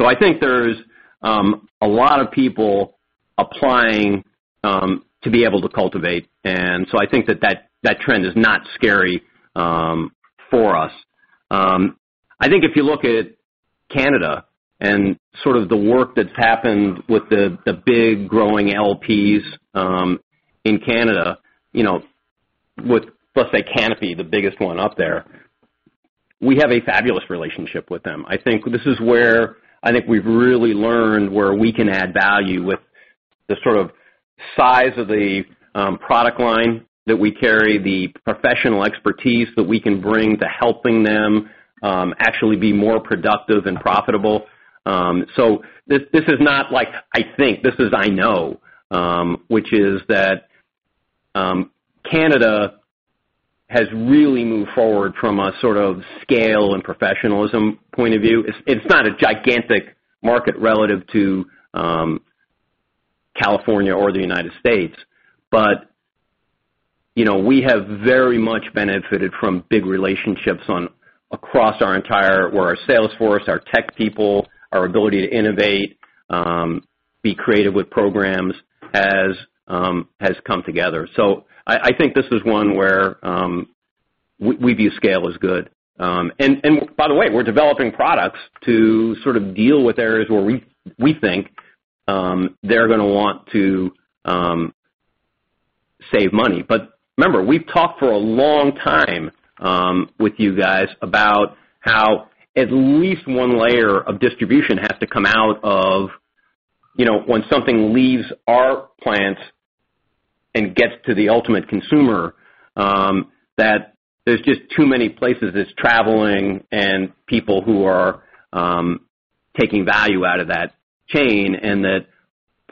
There's a lot of people applying to be able to cultivate, I think that trend is not scary for us. If you look at Canada and sort of the work that's happened with the big growing LPs in Canada, let's say Canopy, the biggest one up there, we have a fabulous relationship with them. This is where I think we've really learned where we can add value with the sort of size of the product line that we carry, the professional expertise that we can bring to helping them actually be more productive and profitable. This is not like I think, this is I know, which is that Canada has really moved forward from a sort of scale and professionalism point of view. It's not a gigantic market relative to California or the United States, but we have very much benefited from big relationships across our entire, where our sales force, our tech people, our ability to innovate Be creative with programs has come together. This is one where we view scale as good. By the way, we're developing products to sort of deal with areas where we think they're going to want to save money. Remember, we've talked for a long time with you guys about how at least one layer of distribution has to come out of, when something leaves our plant and gets to the ultimate consumer, that there's just too many places it's traveling and people who are taking value out of that chain, and that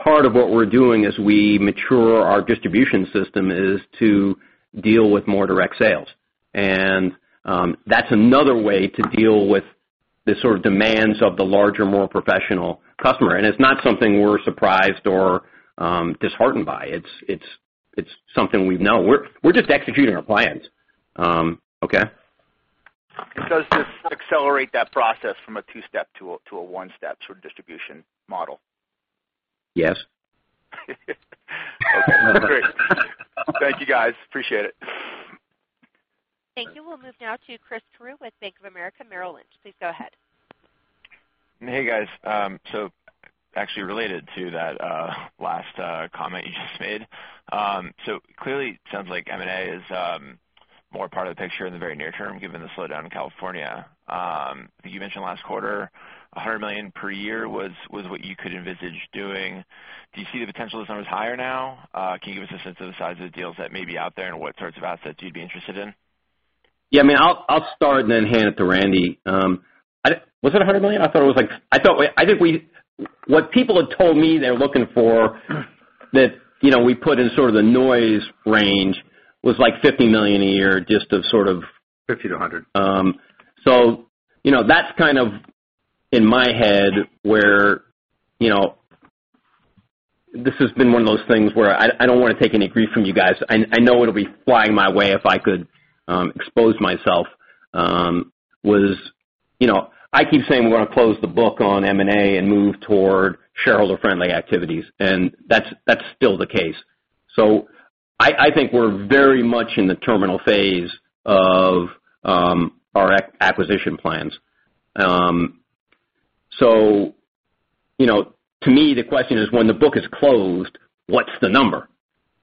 part of what we're doing as we mature our distribution system is to deal with more direct sales. That's another way to deal with the sort of demands of the larger, more professional customer. It's not something we're surprised or disheartened by. It's something we know. We're just executing our plans. Okay? It does just accelerate that process from a two-step to a one-step sort of distribution model. Yes. Okay. Great. Thank you, guys. Appreciate it. Thank you. We'll move now to Chris Carey with Bank of America Merrill Lynch. Please go ahead. Hey, guys. Actually related to that last comment you just made. Clearly it sounds like M&A is more part of the picture in the very near term, given the slowdown in California. I think you mentioned last quarter, $100 million per year was what you could envisage doing. Do you see the potential this number is higher now? Can you give us a sense of the size of the deals that may be out there and what sorts of assets you'd be interested in? Yeah, I'll start and then hand it to Randy. Was it $100 million? I thought what people had told me they're looking for that we put in sort of the noise range was like $50 million a year just to sort of- $50 to $100 That's kind of in my head where this has been one of those things where I don't want to take any grief from you guys. I know it'll be flying my way if I could expose myself was, I keep saying we're going to close the book on M&A and move toward shareholder-friendly activities. That's still the case. I think we're very much in the terminal phase of our acquisition plans. To me, the question is, when the book is closed, what's the number?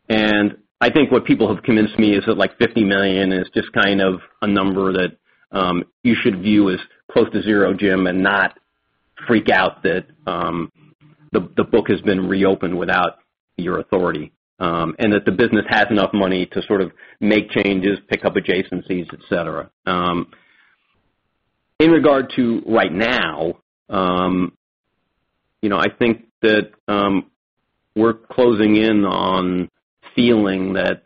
I think what people have convinced me is that $50 million is just kind of a number that you should view as close to zero, Jim, and not freak out that the book has been reopened without your authority. That the business has enough money to sort of make changes, pick up adjacencies, et cetera. In regard to right now, I think that we're closing in on feeling that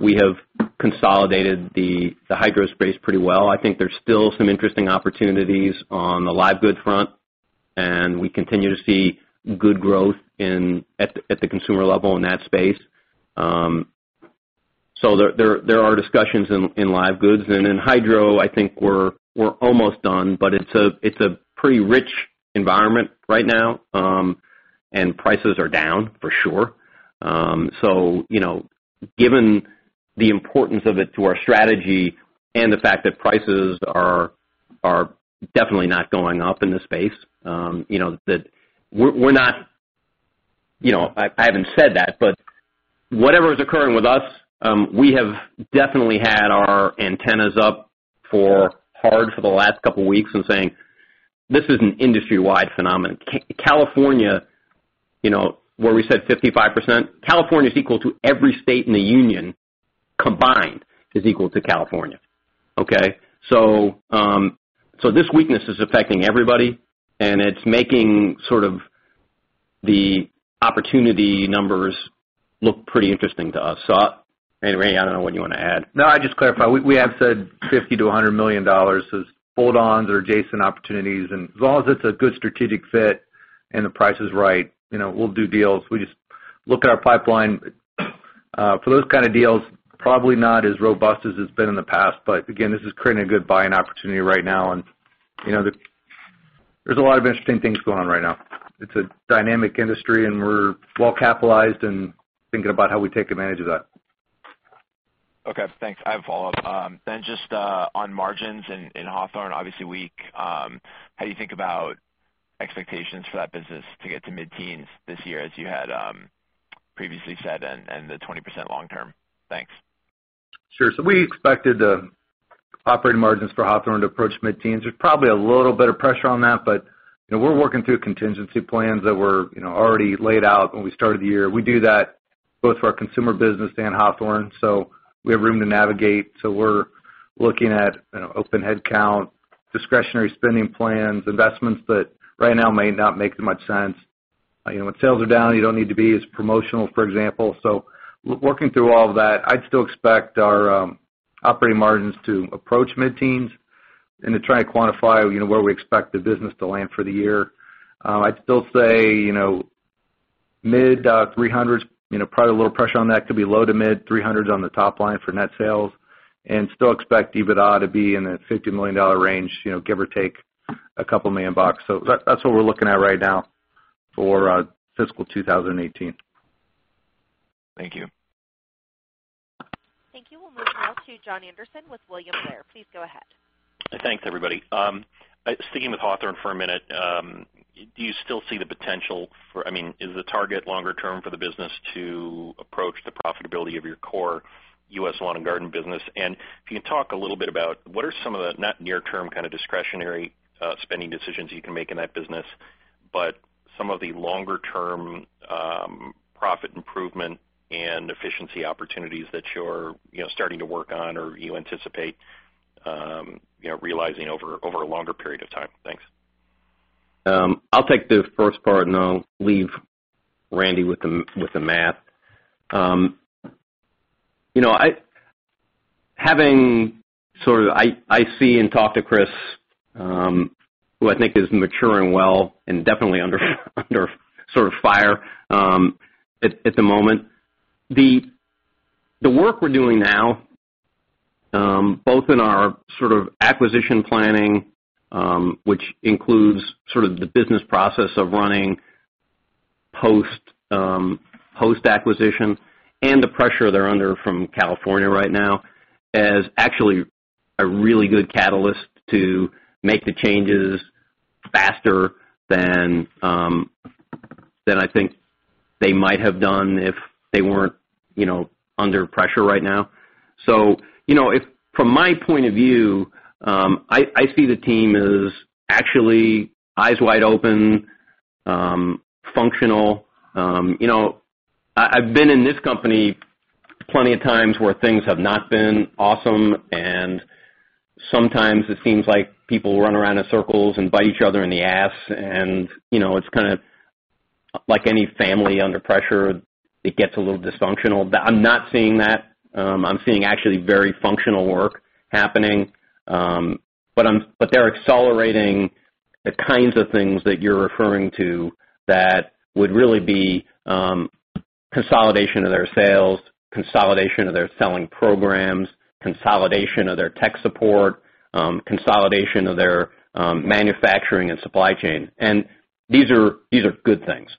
we have consolidated the hydro space pretty well. I think there's still some interesting opportunities on the live goods front, and we continue to see good growth at the consumer level in that space. There are discussions in live goods. In hydro, I think we're almost done, but it's a pretty rich environment right now, and prices are down for sure. Given the importance of it to our strategy and the fact that prices are definitely not going up in the space, that I haven't said that, but whatever is occurring with us, we have definitely had our antennas up for the last couple of weeks and saying, "This is an industry-wide phenomenon." California, where we said 55%, California is equal to every state in the union, combined, is equal to California. Okay? This weakness is affecting everybody, and it's making sort of the opportunity numbers look pretty interesting to us. Anyway, I don't know what you want to add. I'd just clarify. We have said $50 million-$100 million as add-ons or adjacent opportunities, as long as it's a good strategic fit and the price is right, we'll do deals. We just look at our pipeline for those kind of deals, probably not as robust as it's been in the past. Again, this is creating a good buying opportunity right now, there's a lot of interesting things going on right now. It's a dynamic industry, and we're well-capitalized and thinking about how we take advantage of that. Okay, thanks. I have a follow-up. Just on margins in Hawthorne, obviously weak, how you think about expectations for that business to get to mid-teens this year as you had previously said, and the 20% long term? Thanks. Sure. We expected the operating margins for Hawthorne to approach mid-teens. There's probably a little bit of pressure on that, but we're working through contingency plans that were already laid out when we started the year. We do that both for our consumer business and Hawthorne, we have room to navigate. We're looking at open headcount, discretionary spending plans, investments that right now may not make much sense. When sales are down, you don't need to be as promotional, for example. Working through all of that, I'd still expect our operating margins to approach mid-teens and to try and quantify where we expect the business to land for the year. I'd still say Mid 300s, probably a little pressure on that. Could be low to mid 300s on the top line for net sales and still expect EBITDA to be in that $50 million range, give or take a couple million bucks. That's what we're looking at right now for fiscal 2018. Thank you. Thank you. We'll move now to Jon Andersen with William Blair. Please go ahead. Thanks, everybody. Sticking with Hawthorne for a minute, do you still see the potential for, is the target longer term for the business to approach the profitability of your core U.S. lawn and garden business? If you can talk a little bit about what are some of the not near-term kind of discretionary spending decisions you can make in that business, but some of the longer-term profit improvement and efficiency opportunities that you're starting to work on or you anticipate realizing over a longer period of time? Thanks. I'll take the first part, and I'll leave Randy with the math. Having I see and talk to Chris, who I think is maturing well and definitely under sort of fire at the moment. The work we're doing now, both in our acquisition planning, which includes sort of the business process of running post-acquisition and the pressure they're under from California right now, is actually a really good catalyst to make the changes faster than I think they might have done if they weren't under pressure right now. From my point of view, I see the team as actually eyes wide open, functional. I've been in this company plenty of times where things have not been awesome, and sometimes it seems like people run around in circles and bite each other in the ass, and it's kind of like any family under pressure, it gets a little dysfunctional. I'm not seeing that. I'm seeing actually very functional work happening. They're accelerating the kinds of things that you're referring to that would really be consolidation of their sales, consolidation of their selling programs, consolidation of their tech support, consolidation of their manufacturing and supply chain. These are good things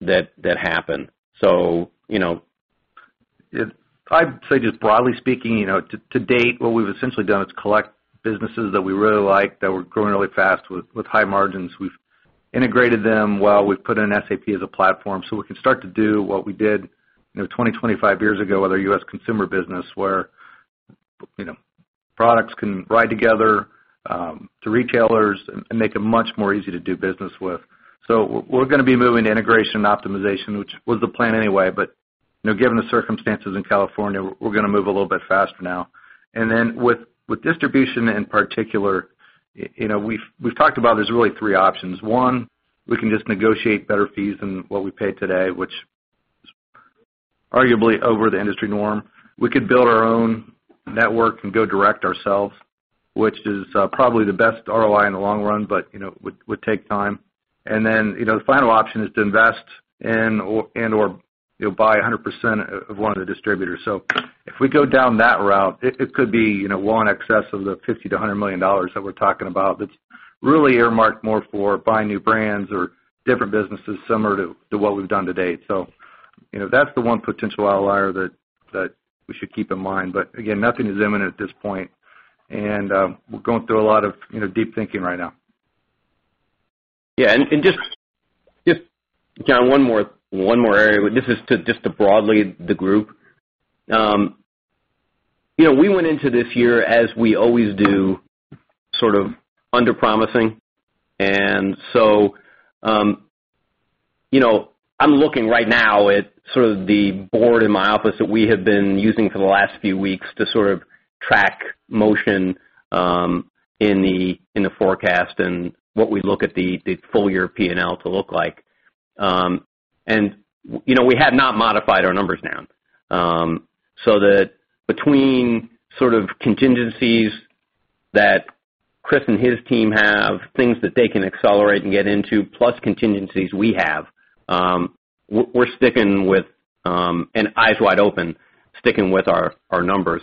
that happen. I'd say just broadly speaking, to date, what we've essentially done is collect businesses that we really like that were growing really fast with high margins. We've integrated them well. We've put in SAP as a platform so we can start to do what we did 20, 25 years ago with our U.S. consumer business, where products can ride together to retailers and make it much more easy to do business with. We're going to be moving to integration and optimization, which was the plan anyway, but given the circumstances in California, we're going to move a little bit faster now. Then with distribution in particular, we've talked about there's really three options. One, we can just negotiate better fees than what we pay today, which is arguably over the industry norm. We could build our own network and go direct ourselves, which is probably the best ROI in the long run, but would take time. Then, the final option is to invest and/or buy 100% of one of the distributors. If we go down that route, it could be well in excess of the $50 million-$100 million that we're talking about that's really earmarked more for buying new brands or different businesses similar to what we've done to date. That's the one potential outlier that we should keep in mind. Again, nothing is imminent at this point, and we're going through a lot of deep thinking right now. Yeah. Just, Jon, one more area. This is just to broadly the group. We went into this year as we always do, sort of under-promising. I'm looking right now at sort of the board in my office that we have been using for the last few weeks to sort of track motion in the forecast and what we look at the full-year P&L to look like. We have not modified our numbers down. That between sort of contingencies that Chris and his team have, things that they can accelerate and get into, plus contingencies we have, we're sticking with, and eyes wide open, sticking with our numbers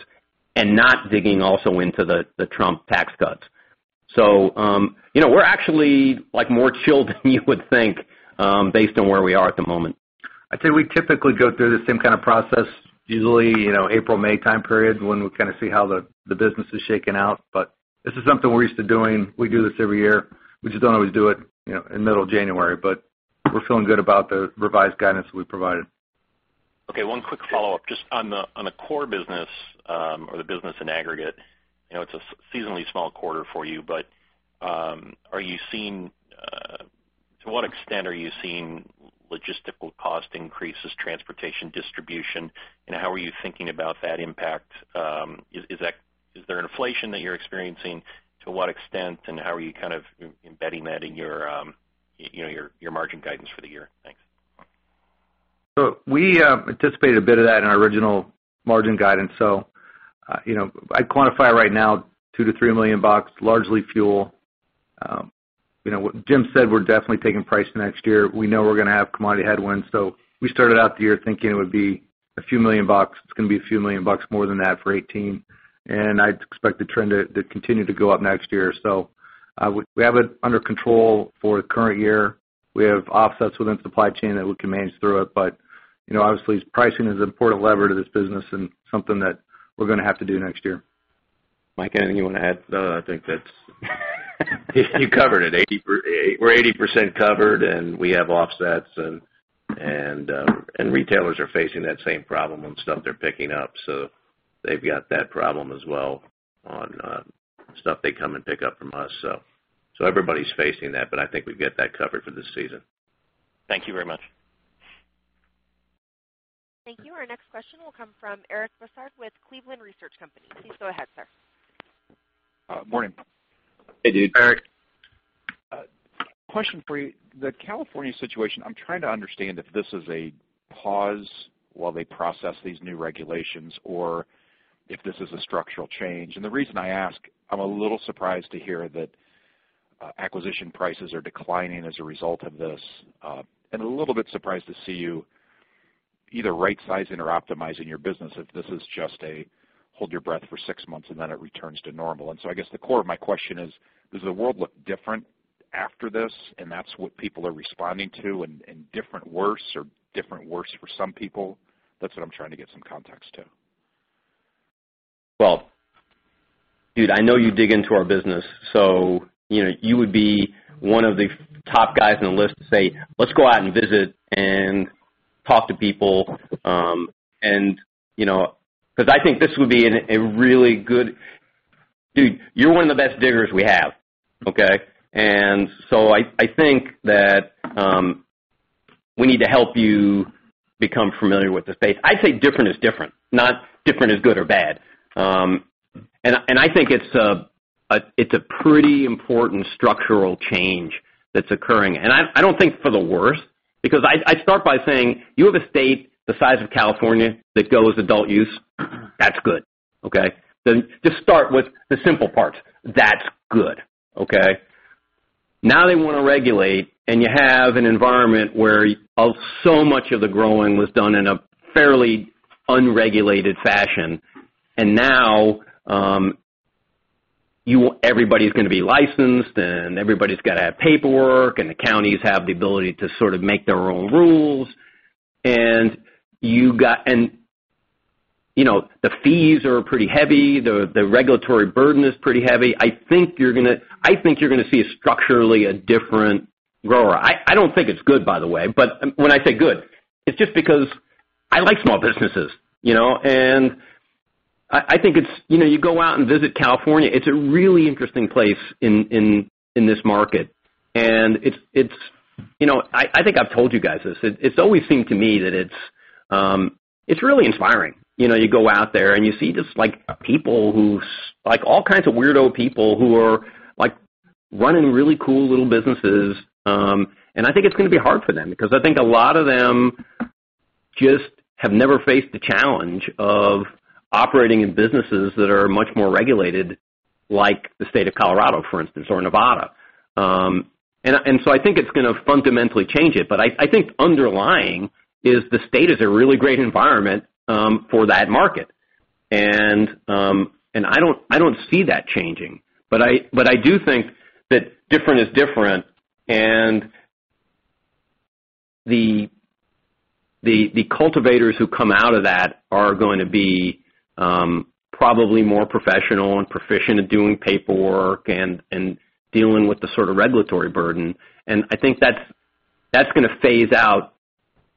and not digging also into the Trump tax cuts. We're actually more chilled than you would think based on where we are at the moment. I'd say we typically go through the same kind of process usually April, May time period when we kind of see how the business is shaking out. This is something we're used to doing. We do this every year. We just don't always do it in the middle of January. We're feeling good about the revised guidance that we provided. Okay, one quick follow-up. Just on the core business or the business in aggregate, it's a seasonally small quarter for you. To what extent are you seeing logistical cost increases, transportation, distribution, and how are you thinking about that impact? Is there an inflation that you're experiencing? To what extent and how are you kind of embedding that in your margin guidance for the year? Thanks. We anticipated a bit of that in our original margin guidance. I'd quantify right now, $2 million-$3 million, largely fuel. Jim said we're definitely taking price next year. We know we're going to have commodity headwinds. We started out the year thinking it would be a few million bucks. It's going to be a few million bucks more than that for 2018. I'd expect the trend to continue to go up next year. We have it under control for the current year. We have offsets within supply chain that we can manage through it. Obviously, pricing is an important lever to this business and something that we're going to have to do next year. Mike, anything you want to add? No, I think that's you covered it. We're 80% covered, we have offsets, retailers are facing that same problem on stuff they're picking up. They've got that problem as well on stuff they come and pick up from us. Everybody's facing that. I think we've got that covered for this season. Thank you very much. Thank you. Our next question will come from Eric Bosshard with Cleveland Research Company. Please go ahead, sir. Morning. Hey, Eric. Question for you. The California situation, I'm trying to understand if this is a pause while they process these new regulations or if this is a structural change. The reason I ask, I'm a little surprised to hear that acquisition prices are declining as a result of this, and a little bit surprised to see you either right-sizing or optimizing your business if this is just a hold your breath for six months and then it returns to normal. I guess the core of my question is, does the world look different after this? That's what people are responding to, and different worse or different worse for some people? That's what I'm trying to get some context to. Well, dude, I know you dig into our business, you would be one of the top guys in the list to say, let's go out and visit and talk to people. Dude, you're one of the best diggers we have, okay? I think that we need to help you become familiar with the space. I'd say different is different, not different is good or bad. I think it's a pretty important structural change that's occurring. I don't think for the worse, because I'd start by saying, you have a state the size of California that goes adult use, that's good, okay? Just start with the simple part. That's good, okay? Now they want to regulate, you have an environment where so much of the growing was done in a fairly unregulated fashion. Now everybody's going to be licensed, everybody's got to have paperwork, the counties have the ability to sort of make their own rules. The fees are pretty heavy. The regulatory burden is pretty heavy. I think you're going to see structurally a different grower. I don't think it's good, by the way. When I say good, it's just because I like small businesses. You go out and visit California, it's a really interesting place in this market. I think I've told you guys this. It's always seemed to me that it's really inspiring. You go out there, you see all kinds of weirdo people who are running really cool little businesses. I think it's going to be hard for them because I think a lot of them just have never faced the challenge of operating in businesses that are much more regulated, like the state of Colorado, for instance, or Nevada. I think it's going to fundamentally change it. I think underlying is the state is a really great environment for that market. I don't see that changing. I do think that different is different, and the cultivators who come out of that are going to be probably more professional and proficient at doing paperwork and dealing with the sort of regulatory burden. I think that's going to phase out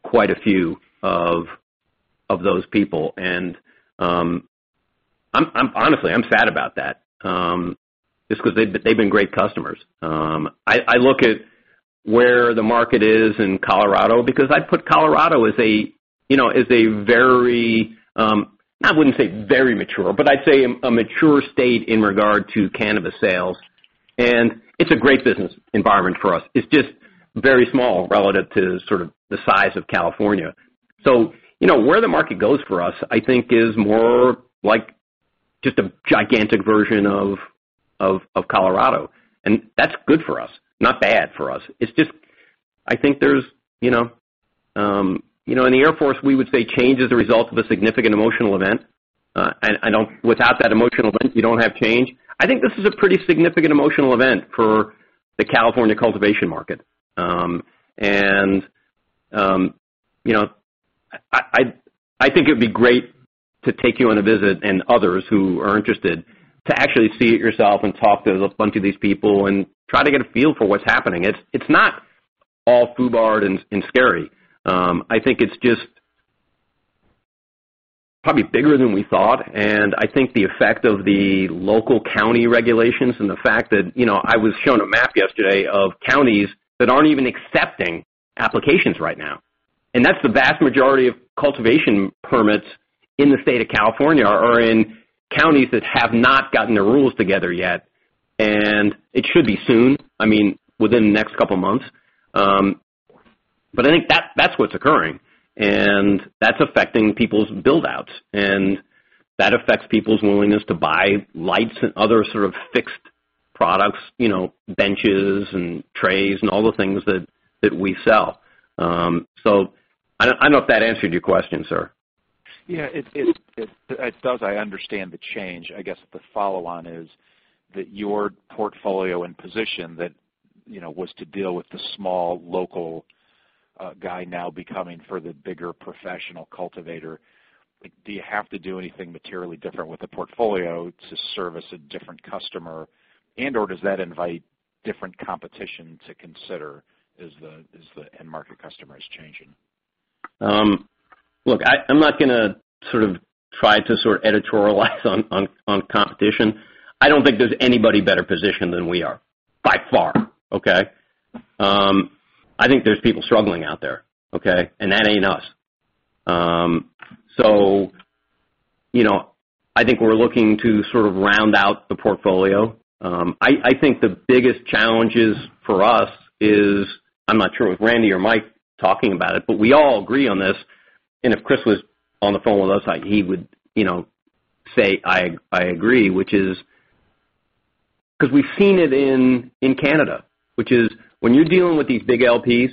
quite a few of those people. Honestly, I'm sad about that, just because they've been great customers. I look at where the market is in Colorado because I put Colorado as a very, I wouldn't say very mature, but I'd say a mature state in regard to cannabis sales. It's a great business environment for us. It's just very small relative to sort of the size of California. Where the market goes for us, I think is more like just a gigantic version of Colorado. That's good for us, not bad for us. In the Air Force, we would say change is a result of a significant emotional event. Without that emotional event, you don't have change. I think this is a pretty significant emotional event for the California cultivation market. I think it'd be great to take you on a visit and others who are interested to actually see it yourself and talk to a bunch of these people and try to get a feel for what's happening. It's not all FUBAR and scary. I think it's just probably bigger than we thought, and I think the effect of the local county regulations and the fact that I was shown a map yesterday of counties that aren't even accepting applications right now. That's the vast majority of cultivation permits in the state of California are in counties that have not gotten their rules together yet. It should be soon, within the next couple of months. I think that's what's occurring, and that's affecting people's build-outs, and that affects people's willingness to buy lights and other sort of fixed products, benches and trays and all the things that we sell. I don't know if that answered your question, sir. Yeah, it does. I understand the change. I guess the follow-on is that your portfolio and position that was to deal with the small local guy now becoming for the bigger professional cultivator. Do you have to do anything materially different with the portfolio to service a different customer? And/or does that invite different competition to consider as the end market customer is changing? Look, I'm not going to sort of try to editorialize on competition. I don't think there's anybody better positioned than we are, by far. Okay? I think there's people struggling out there, okay? That ain't us. I think we're looking to sort of round out the portfolio. I think the biggest challenge is for us is, I'm not sure if Randy or Mike talking about it, but we all agree on this, and if Chris was on the phone with us, he would say, "I agree," which is because we've seen it in Canada, which is when you're dealing with these big LPs,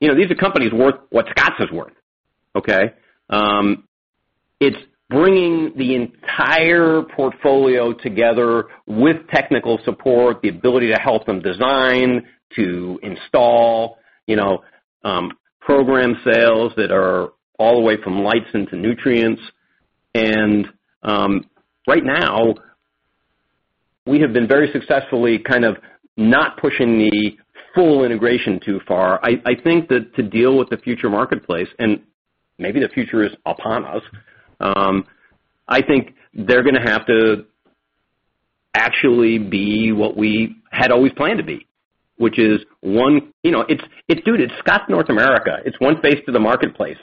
these are companies worth what Scotts is worth. Okay? It's bringing the entire portfolio together with technical support, the ability to help them design, to install, program sales that are all the way from lights into nutrients. Right now, we have been very successfully kind of not pushing the full integration too far. I think that to deal with the future marketplace, and maybe the future is upon us, I think they're going to have to actually be what we had always planned to be, which is it's Scotts North America. It's one face to the marketplace.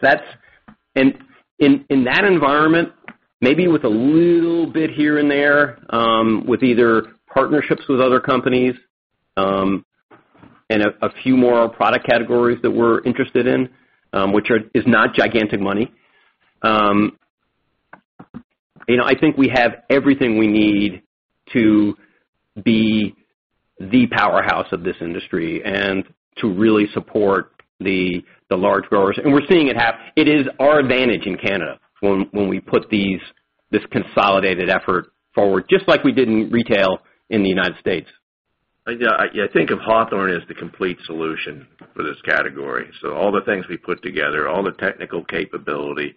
In that environment, maybe with a little bit here and there, with either partnerships with other companies, and a few more product categories that we're interested in, which is not gigantic money. I think we have everything we need to be the powerhouse of this industry, and to really support the large growers. We're seeing it. It is our advantage in Canada when we put this consolidated effort forward, just like we did in retail in the U.S. Yeah. I think of Hawthorne as the complete solution for this category. All the things we put together, all the technical capability.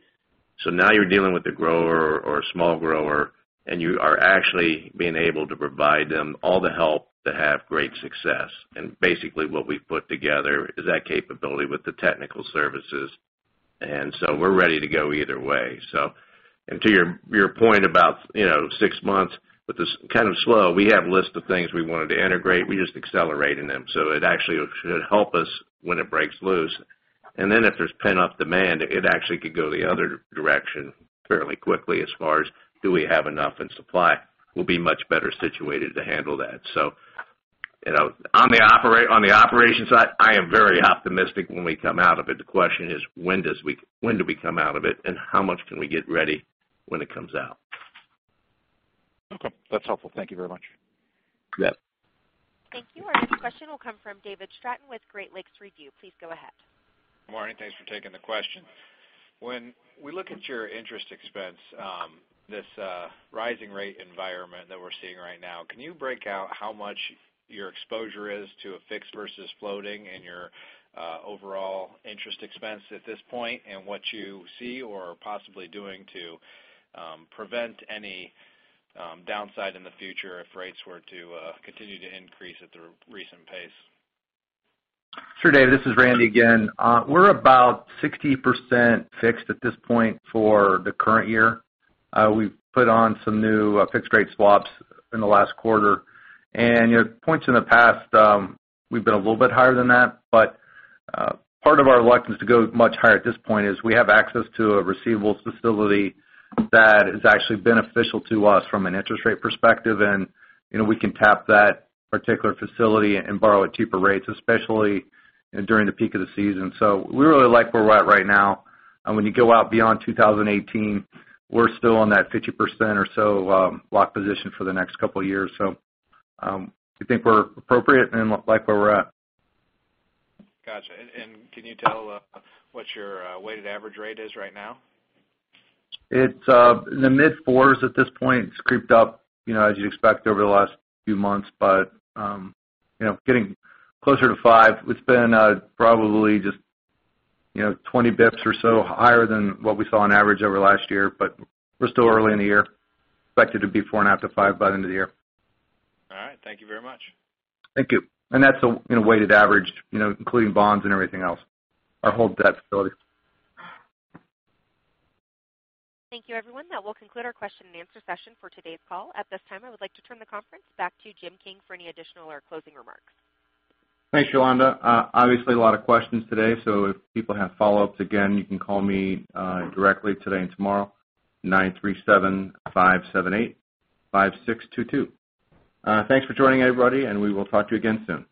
Now you're dealing with a grower or a small grower, and you are actually being able to provide them all the help to have great success. Basically what we put together is that capability with the technical services. We're ready to go either way. To your point about six months with this kind of slow, we have list of things we wanted to integrate. We're just accelerating them, so it actually should help us when it breaks loose. If there's pent-up demand, it actually could go the other direction fairly quickly as far as do we have enough in supply. We'll be much better situated to handle that. On the operations side, I am very optimistic when we come out of it. The question is, when do we come out of it, and how much can we get ready when it comes out? Okay. That's helpful. Thank you very much. Yep. Thank you. Our next question will come from David Stratton with Great Lakes Review. Please go ahead. Morning. Thanks for taking the question. When we look at your interest expense, this rising rate environment that we're seeing right now, can you break out how much your exposure is to a fixed versus floating in your overall interest expense at this point, and what you see or possibly doing to prevent any downside in the future if rates were to continue to increase at the recent pace? Sure, Dave, this is Randy again. We're about 60% fixed at this point for the current year. We've put on some new fixed-rate swaps in the last quarter. At points in the past, we've been a little bit higher than that, but part of our reluctance to go much higher at this point is we have access to a receivables facility that is actually beneficial to us from an interest rate perspective, and we can tap that particular facility and borrow at cheaper rates, especially during the peak of the season. We really like where we're at right now. When you go out beyond 2018, we're still on that 50% or so lock position for the next couple of years. We think we're appropriate and like where we're at. Got you. Can you tell what your weighted average rate is right now? It's in the mid-fours at this point. It's creeped up as you'd expect over the last few months. Getting closer to five. It's been probably just 20 basis points or so higher than what we saw on average over last year, but we're still early in the year. Expect it to be 4.5%-5% by the end of the year. All right. Thank you very much. Thank you. That's the weighted average including bonds and everything else. Our whole debt facility. Thank you, everyone. That will conclude our question and answer session for today's call. At this time, I would like to turn the conference back to Jim King for any additional or closing remarks. Thanks, Yolanda. Obviously a lot of questions today, so if people have follow-ups, again, you can call me directly today and tomorrow, 937-578-5622. Thanks for joining, everybody, and we will talk to you again soon.